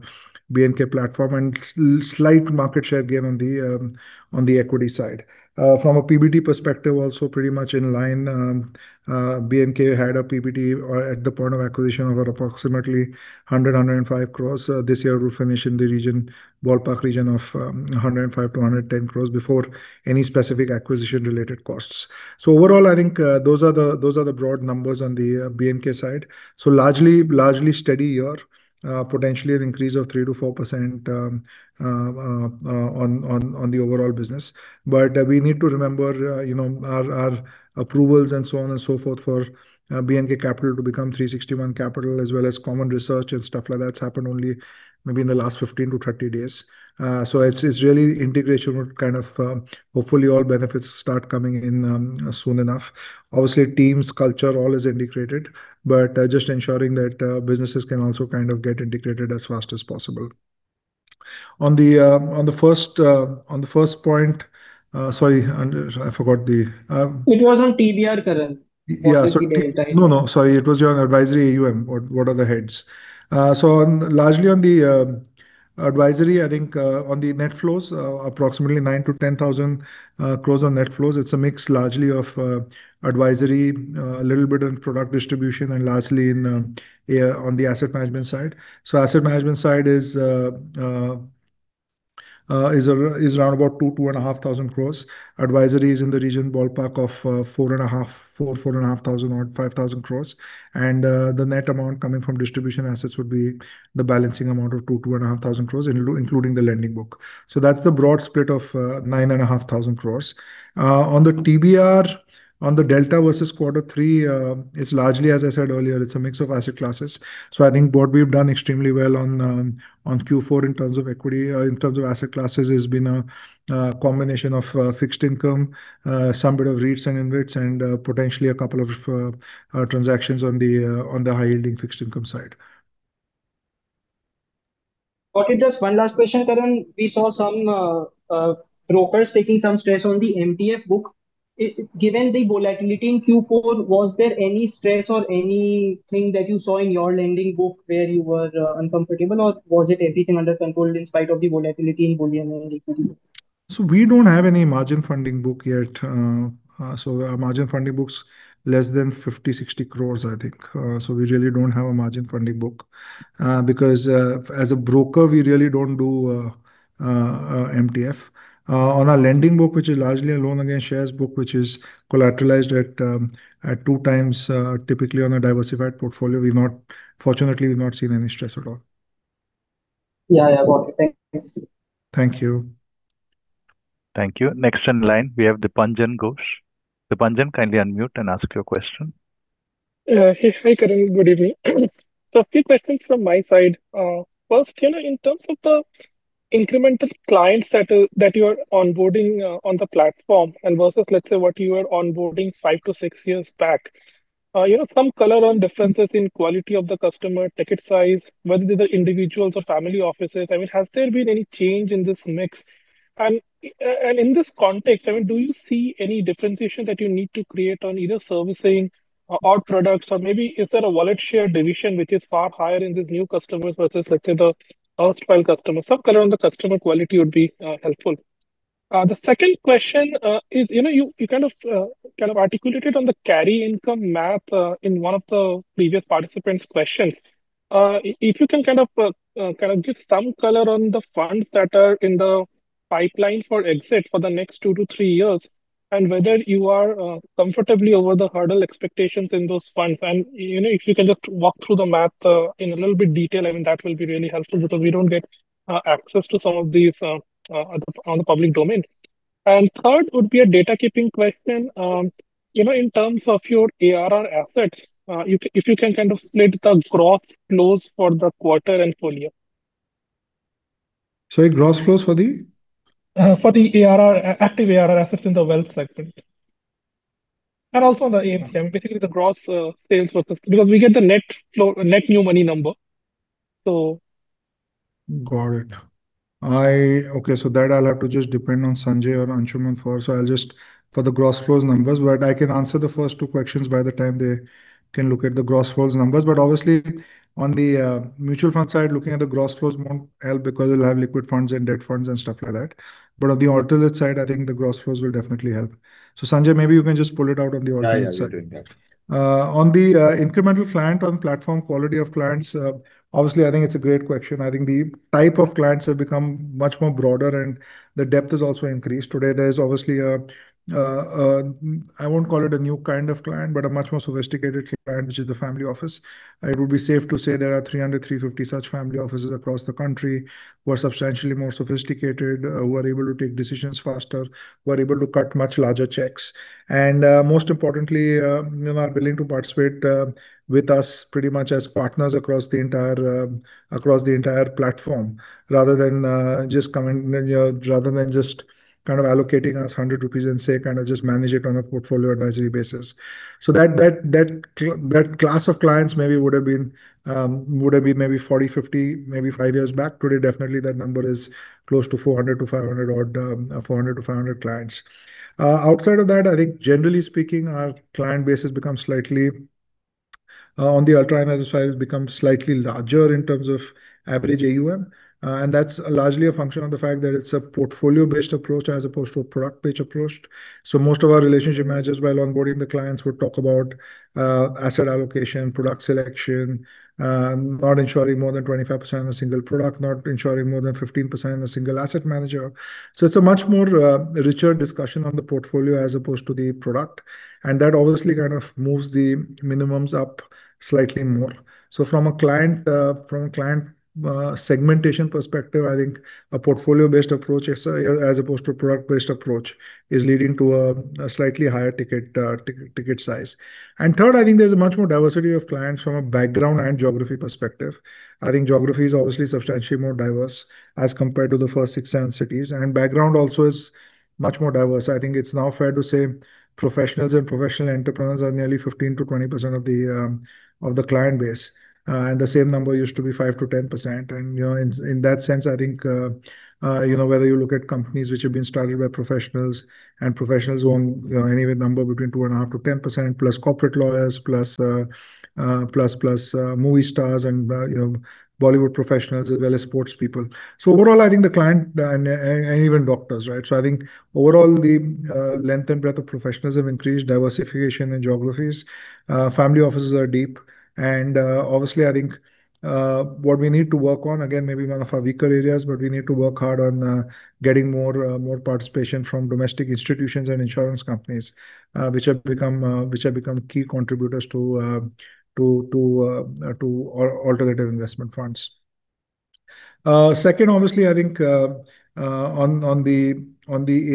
B&K platform. Slight market share gain on the equity side. From a PBT perspective also pretty much in line. B&K had a PBT at the point of acquisition of approximately 100 crore-105 crore. This year we'll finish in the ballpark region of 105 crore-110 crore before any specific acquisition-related costs. Overall, I think those are the broad numbers on the B&K side. Largely steady year. Potentially an increase of 3%-4% on the overall business. We need to remember our approvals and so on and so forth for B&K Capital to become 360 ONE Capital, as well as common research and stuff like that. It's happened only maybe in the last 15-30 days. Integration would kind of hopefully all benefits start coming in soon enough. Obviously, teams, culture, all is integrated, but just ensuring that businesses can also get integrated as fast as possible. On the first point. Sorry, I forgot the It was on TBR, Karan. Yeah. About the delta. No, no. Sorry, it was your advisory AUM. What are the heads? Largely on the advisory, I think, on the net flows, approximately 9,000 crore-10,000 crore on net flows. It's a mix largely of advisory, a little bit of product distribution and largely on the asset management side. Asset management side is around about 2,500 crore. Advisory is in the region ballpark of 4,500 crore or 5,000 crore. The net amount coming from distribution assets would be the balancing amount of 2,500 crore, including the lending book. That's the broad split of 9,500 crore. On the TBR, on the delta versus quarter three, it's largely as I said earlier, it's a mix of asset classes. I think what we've done extremely well on Q4 in terms of equity, in terms of asset classes, has been a combination of fixed income, some bit of REITs and InvITs, and potentially a couple of transactions on the high-yielding fixed income side. Okay. Just one last question, Karan. We saw some brokers taking some stress on the MTF book. Given the volatility in Q4, was there any stress or anything that you saw in your lending book where you were uncomfortable, or was it everything under control in spite of the volatility in bullion and equity? We don't have any margin funding book yet. Our margin funding book's less than 50 crore-60 crore, I think. We really don't have a margin funding book, because as a broker, we really don't do MTF. On our lending book, which is largely a loan against shares book, which is collateralized at 2x, typically, on a diversified portfolio, fortunately, we've not seen any stress at all. Yeah. Got it. Thanks. Thank you. Thank you. Next in line, we have Dipanjan Ghosh. Dipanjan, kindly unmute and ask your question. Yeah. Hey, Karan. Good evening. A few questions from my side. First, in terms of the incremental clients that you're onboarding on the platform and versus, let's say, what you were onboarding five-six years back, some color on differences in quality of the customer, ticket size, whether these are individuals or family offices. I mean, has there been any change in this mix? In this context, do you see any differentiation that you need to create on either servicing or products? Or maybe is there a wallet share division which is far higher in these new customers versus, let's say, the erstwhile customer? Some color on the customer quality would be helpful. The second question is, you kind of articulated on the carry income math in one of the previous participant's questions. If you can kind of give some color on the funds that are in the pipeline for exit for the next two-three years, and whether you are comfortably over the hurdle expectations in those funds. If you can just walk through the math in a little bit of detail, that will be really helpful because we don't get access to some of these in the public domain. Third would be a housekeeping question. In terms of your ARR assets, if you can kind of split the gross flows for the quarter and full year? Sorry, gross flows for the? For the ARR, active ARR assets in the wealth segment. Also on the AUM, basically the gross sales process, because we get the net new money number. Got it. Okay, that I'll have to just depend on Sanjay or Anshuman for. I'll just for the gross flows numbers. I can answer the first two questions by the time they can look at the gross flows numbers. Obviously on the mutual fund side, looking at the gross flows won't help because they'll have liquid funds and debt funds and stuff like that. On the Alternates side, I think the gross flows will definitely help. Sanjay, maybe you can just pull it out on the Alternates side. Yeah, doing that. On the incremental client on platform quality of clients, obviously, I think it's a great question. I think the type of clients have become much more broader, and the depth has also increased. Today, there is obviously a, I won't call it a new kind of client, but a much more sophisticated client, which is the family office. It would be safe to say there are 300-350 such family offices across the country who are substantially more sophisticated, who are able to take decisions faster, who are able to cut much larger checks. Most importantly, are willing to participate with us pretty much as partners across the entire platform rather than just kind of allocating us 100 rupees and say, kind of just manage it on a portfolio advisory basis. That class of clients maybe would've been 40-50 five years back. Today, definitely that number is close to 400 to 500 clients. Outside of that, I think generally speaking, our client base has become slightly, on the ultra high net worth side, has become slightly larger in terms of average AUM. That's largely a function of the fact that it's a portfolio-based approach as opposed to a product-based approach. Most of our relationship managers, while onboarding the clients, will talk about asset allocation, product selection, not ensuring more than 25% in a single product, not ensuring more than 15% in a single asset manager. It's a much more richer discussion on the portfolio as opposed to the product. That obviously kind of moves the minimums up slightly more. From a client segmentation perspective, I think a portfolio-based approach as opposed to a product-based approach is leading to a slightly higher ticket size. Third, I think there's much more diversity of clients from a background and geography perspective. I think geography is obviously substantially more diverse as compared to the first six, seven cities, and background also is much more diverse. I think it's now fair to say professionals and professional entrepreneurs are nearly 15%-20% of the client base. The same number used to be 5%-10%. In that sense, I think, whether you look at companies which have been started by professionals, and professionals who own any number between 2.5%-10%, plus corporate lawyers, plus movie stars and Bollywood professionals, as well as sports people. Even doctors, right? So I think overall the length and breadth of professionals have increased diversification and geographies. Family offices are deep and, obviously, I think what we need to work on, again, maybe one of our weaker areas, but we need to work hard on getting more participation from domestic institutions and insurance companies, which have become key contributors to alternative investment funds. Second, obviously, I think, on the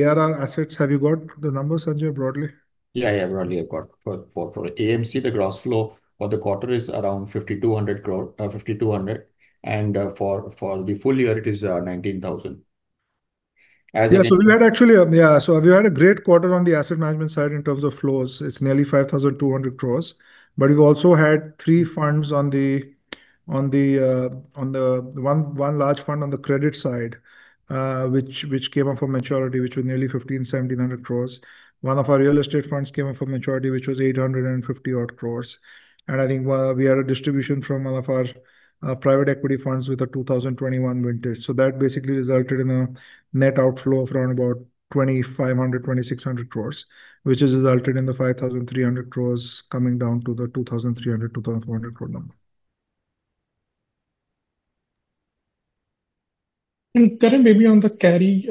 ARR assets, have you got the numbers, Sanjay, broadly? Yeah, I have broadly got. For AMC, the gross flow for the quarter is around 5,200 crore. For the full year, it is 19,000 crore. Yeah. We had a great quarter on the asset management side in terms of flows. It's nearly 5,200 crore. We've also had three funds on the one large fund on the credit side, which came up for maturity, which was nearly 1,500-1,700 crore. One of our real estate funds came up for maturity, which was 850-odd crore. I think we had a distribution from one of our private equity funds with a 2021 vintage. That basically resulted in a net outflow of around 2,500 crore-2,600 crore, which has resulted in the 5,300 crore coming down to the 2,300 crore-2,400 crore number. Karan, maybe on the carry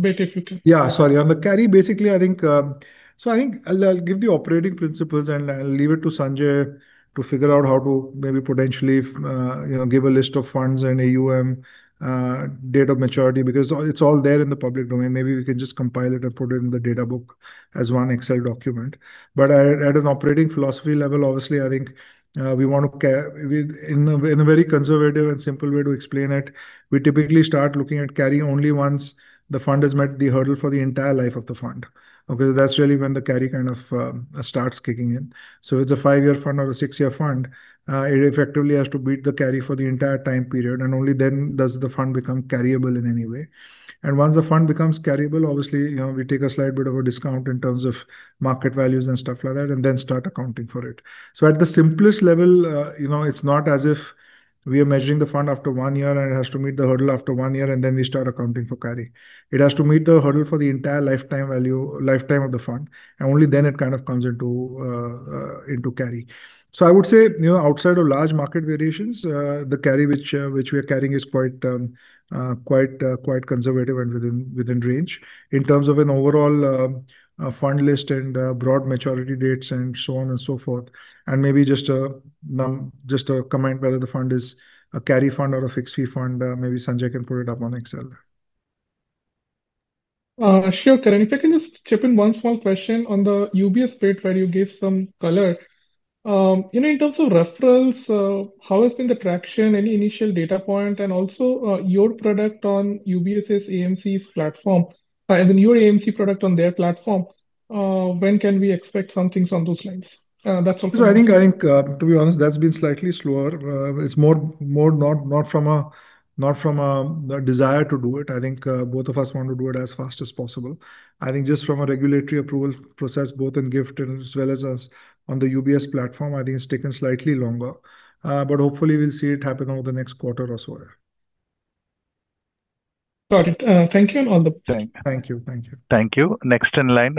bit, if you can. Yeah, sorry. On the carry, I think I'll give the operating principles and I'll leave it to Sanjay to figure out how to maybe potentially give a list of funds and AUM, date of maturity, because it's all there in the public domain. Maybe we can just compile it and put it in the data book as one Excel document. At an operating philosophy level, obviously, I think we want to care. In a very conservative and simple way to explain it, we typically start looking at carry only once the fund has met the hurdle for the entire life of the fund. Okay, that's really when the carry kind of starts kicking in. If it's a five-year fund or a six-year fund, it effectively has to beat the carry for the entire time period, and only then does the fund become carryable in any way. Once the fund becomes carryable, obviously, we take a slight bit of a discount in terms of market values and stuff like that, and then start accounting for it. At the simplest level, it's not as if we are measuring the fund after one year and it has to meet the hurdle after one year, and then we start accounting for carry. It has to meet the hurdle for the entire lifetime value, lifetime of the fund, and only then it kind of comes into carry. I would say, outside of large market variations, the carry which we are carrying is quite conservative and within range. In terms of an overall fund list and broad maturity dates and so on and so forth, and maybe just a comment whether the fund is a carry fund or a fixed fee fund. Maybe Sanjay can put it up on Excel. Sure, Karan. If I can just chip in one small question on the UBS bit where you gave some color. In terms of referrals, how has been the traction, any initial data point? And also your product on UBS's AMC's platform, as in your AMC product on their platform, when can we expect some things on those lines? That's also- I think, to be honest, that's been slightly slower. It's more not from a desire to do it. I think both of us want to do it as fast as possible. I think just from a regulatory approval process, both in GIFT City and as well as on the UBS platform, I think it's taken slightly longer. Hopefully we'll see it happen over the next quarter or so, yeah. Got it. Thank you. On the- Thank you. Thank you. Next in line.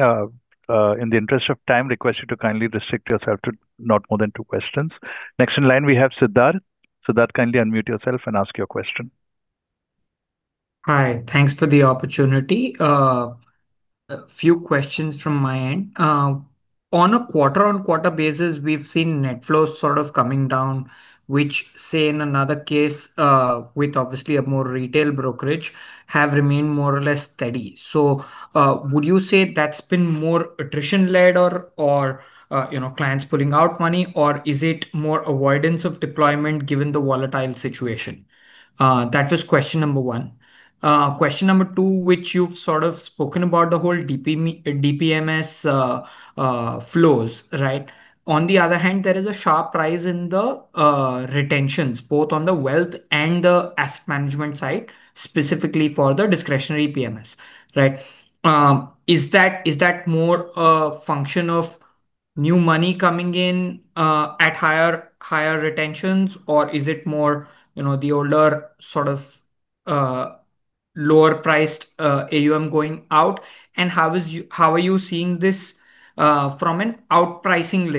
In the interest of time, request you to kindly restrict yourself to not more than two questions. Next in line, we have Siddharth. Siddharth, kindly unmute yourself and ask your question. Hi. Thanks for the opportunity. A few questions from my end. On a quarter-over-quarter basis, we've seen net flows sort of coming down, which, say, in another case, with obviously a more retail brokerage, have remained more or less steady. Would you say that's been more attrition-led or clients pulling out money? Or is it more avoidance of deployment given the volatile situation? That was question number one. Question number two, which you've sort of spoken about the whole DPMS flows, right? On the other hand, there is a sharp rise in the retentions, both on the wealth and the asset management side, specifically for the discretionary PMS. Is that more a function of new money coming in at higher retentions? Or is it more the older sort of lower priced AUM going out? And how are you seeing this from an outpricing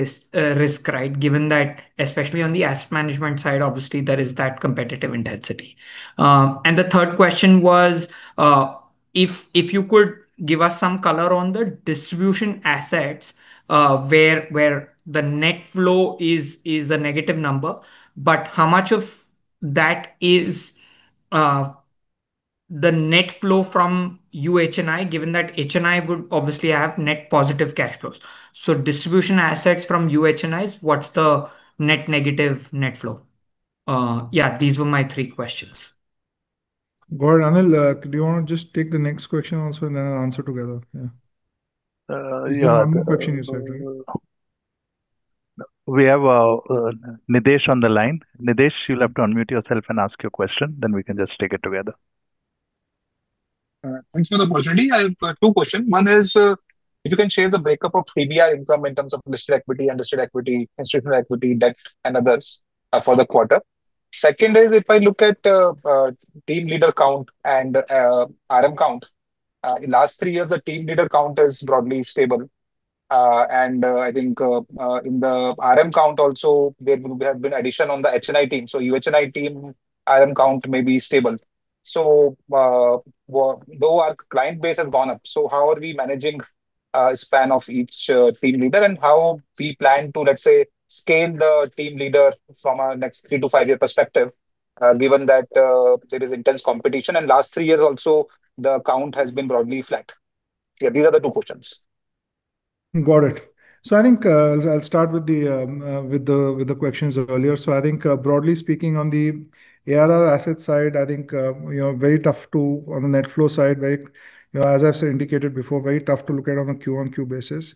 risk, right? Given that, especially on the asset management side, obviously, there is that competitive intensity. The third question was, if you could give us some color on the distribution assets, where the net flow is a negative number. How much of that is the net flow from UHNI, given that HNI would obviously have net positive cash flows? Distribution assets from UHNIs, what's the net negative net flow? Yeah, these were my three questions. Got it. Anil, do you want to just take the next question also and then I'll answer together? Yeah. Yeah. One more question you said, right? We have Nidesh on the line. Nidesh, you'll have to unmute yourself and ask your question, then we can just take it together. Thanks for the opportunity. I've two questions. One is, if you can share the breakdown of FPI income in terms of listed equity, unlisted equity, institutional equity, debt and others for the quarter. Second is, if I look at team leader count and RM count. In last three years, the team leader count is broadly stable. I think in the RM count also, there have been additions on the HNI team. UHNI team RM count may be stable. Though our client base has gone up, so how are we managing span of each team leader and how we plan to, let's say, scale the team leader from the next three to five-year perspective, given that there is intense competition and last three years also, the count has been broadly flat? Yeah, these are the two questions. Got it. I think I'll start with the questions earlier. I think, broadly speaking, on the ARR asset side, it's very tough on the net flow side. As I've indicated before, very tough to look at on a Q-on-Q basis.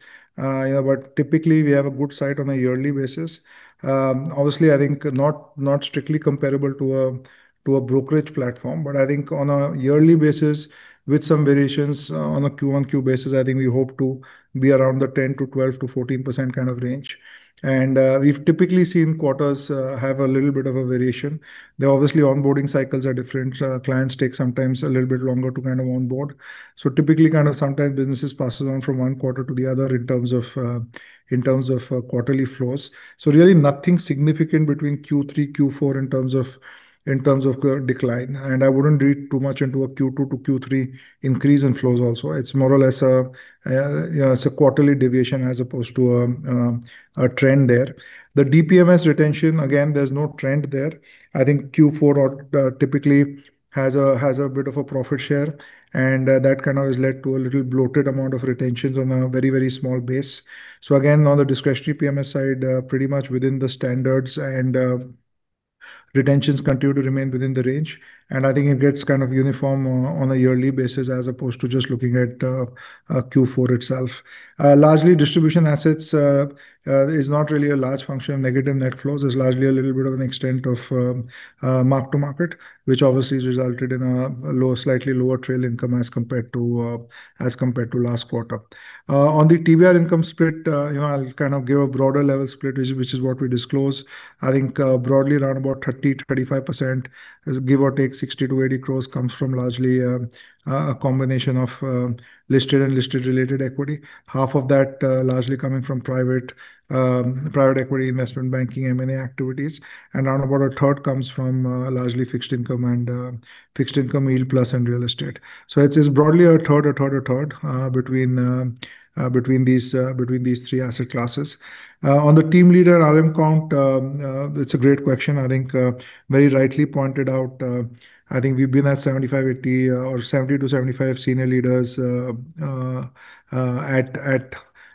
Typically, we have a good side on a yearly basis. Obviously, I think not strictly comparable to a brokerage platform. I think on a yearly basis, with some variations on a Q-on-Q basis, I think we hope to be around the 10%-12%-14% kind of range. We've typically seen quarters have a little bit of a variation. Obviously, onboarding cycles are different. Clients take sometimes a little bit longer to onboard. Typically, sometimes businesses pass on from one quarter to the other in terms of quarterly flows. Really nothing significant between Q3, Q4 in terms of decline. I wouldn't read too much into a Q2 to Q3 increase in flows, also. It's more or less a quarterly deviation as opposed to a trend there. The DPMS retention, again, there's no trend there. I think Q4 typically has a bit of a profit share, and that kind of has led to a little bloated amount of retentions on a very small base. Again, on the discretionary PMS side, pretty much within the standards, and retentions continue to remain within the range. I think it gets kind of uniform on a yearly basis as opposed to just looking at Q4 itself. Largely, distribution assets is not really a large function of negative net flows. It's largely a little bit of an extent of mark to market, which obviously has resulted in a slightly lower trail income as compared to last quarter. On the TBR income split, I'll kind of give a broader level split, which is what we disclose. I think broadly around about 30%-35%, give or take 60%-80% gross comes from largely a combination of listed and listed related equity. Half of that largely coming from private equity investment banking, M&A activities. Around about a third comes from largely fixed income and fixed income yield plus and real estate. It's broadly a third, a third, a third between these three asset classes. On the team leader RM count, it's a great question. I think very rightly pointed out, I think we've been at 75-80 or 70-75 senior leaders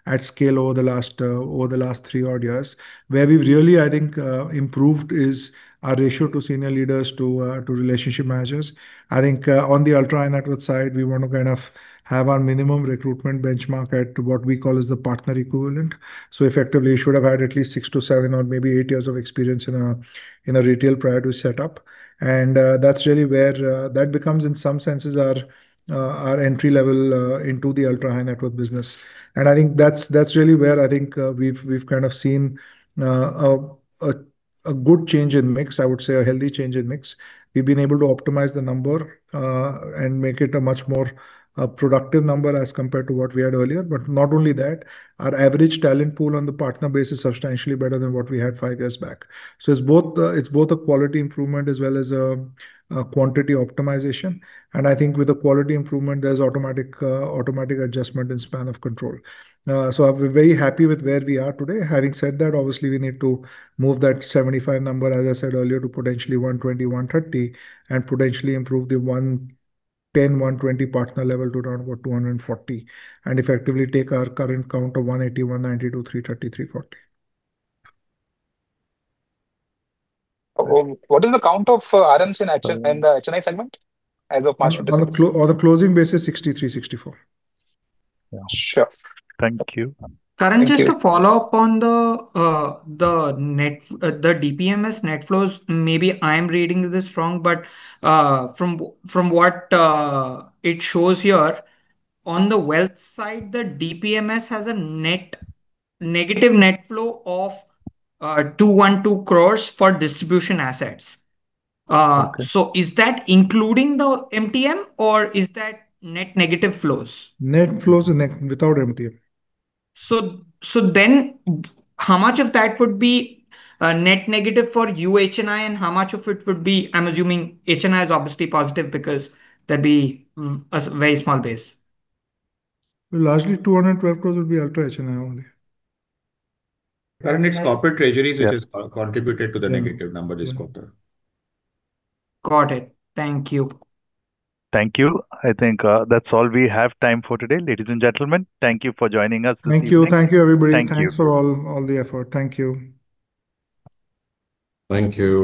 at scale over the last three odd years. Where we've really, I think improved is our ratio to senior leaders to relationship managers. I think on the ultra high net worth side, we want to kind of have our minimum recruitment benchmark at what we call is the partner equivalent. Effectively, you should have had at least six-seven or maybe eight years of experience in a retail prior to set up. That's really where that becomes, in some senses, our entry level into the ultra high net worth business. I think that's really where I think we've kind of seen a good change in mix, I would say a healthy change in mix. We've been able to optimize the number, and make it a much more productive number as compared to what we had earlier. Not only that, our average talent pool on the partner base is substantially better than what we had five years back. It's both a quality improvement as well as a quantity optimization. I think with the quality improvement, there's automatic adjustment in span of control. I'll be very happy with where we are today. Having said that, obviously we need to move that 75 number, as I said earlier, to potentially 120-130 and potentially improve the 110-120 partner level to around about 240. Effectively take our current count of 180-190 to 330-340. What is the count of RMs in HNI segment as of March 2024? On a closing basis, 63-64. Sure. Thank you. Karan, just a follow-up on the DPMS net flows. Maybe I'm reading this wrong, but from what it shows here, on the wealth side, the DPMS has a negative net flow of 212 crore for distribution assets. Okay. Is that including the MTM, or is that net negative flows? Net flows without MTM. How much of that would be net negative for you HNI and how much of it would be, I'm assuming HNI is obviously positive because that'd be a very small base? Largely 212 crore would be ultra HNI only. Karan, it's corporate treasuries which has contributed to the negative number this quarter. Got it. Thank you. Thank you. I think that's all we have time for today. Ladies and gentlemen, thank you for joining us this evening. Thank you. Thank you, everybody. Thank you. Thanks for all the effort. Thank you. Thank you.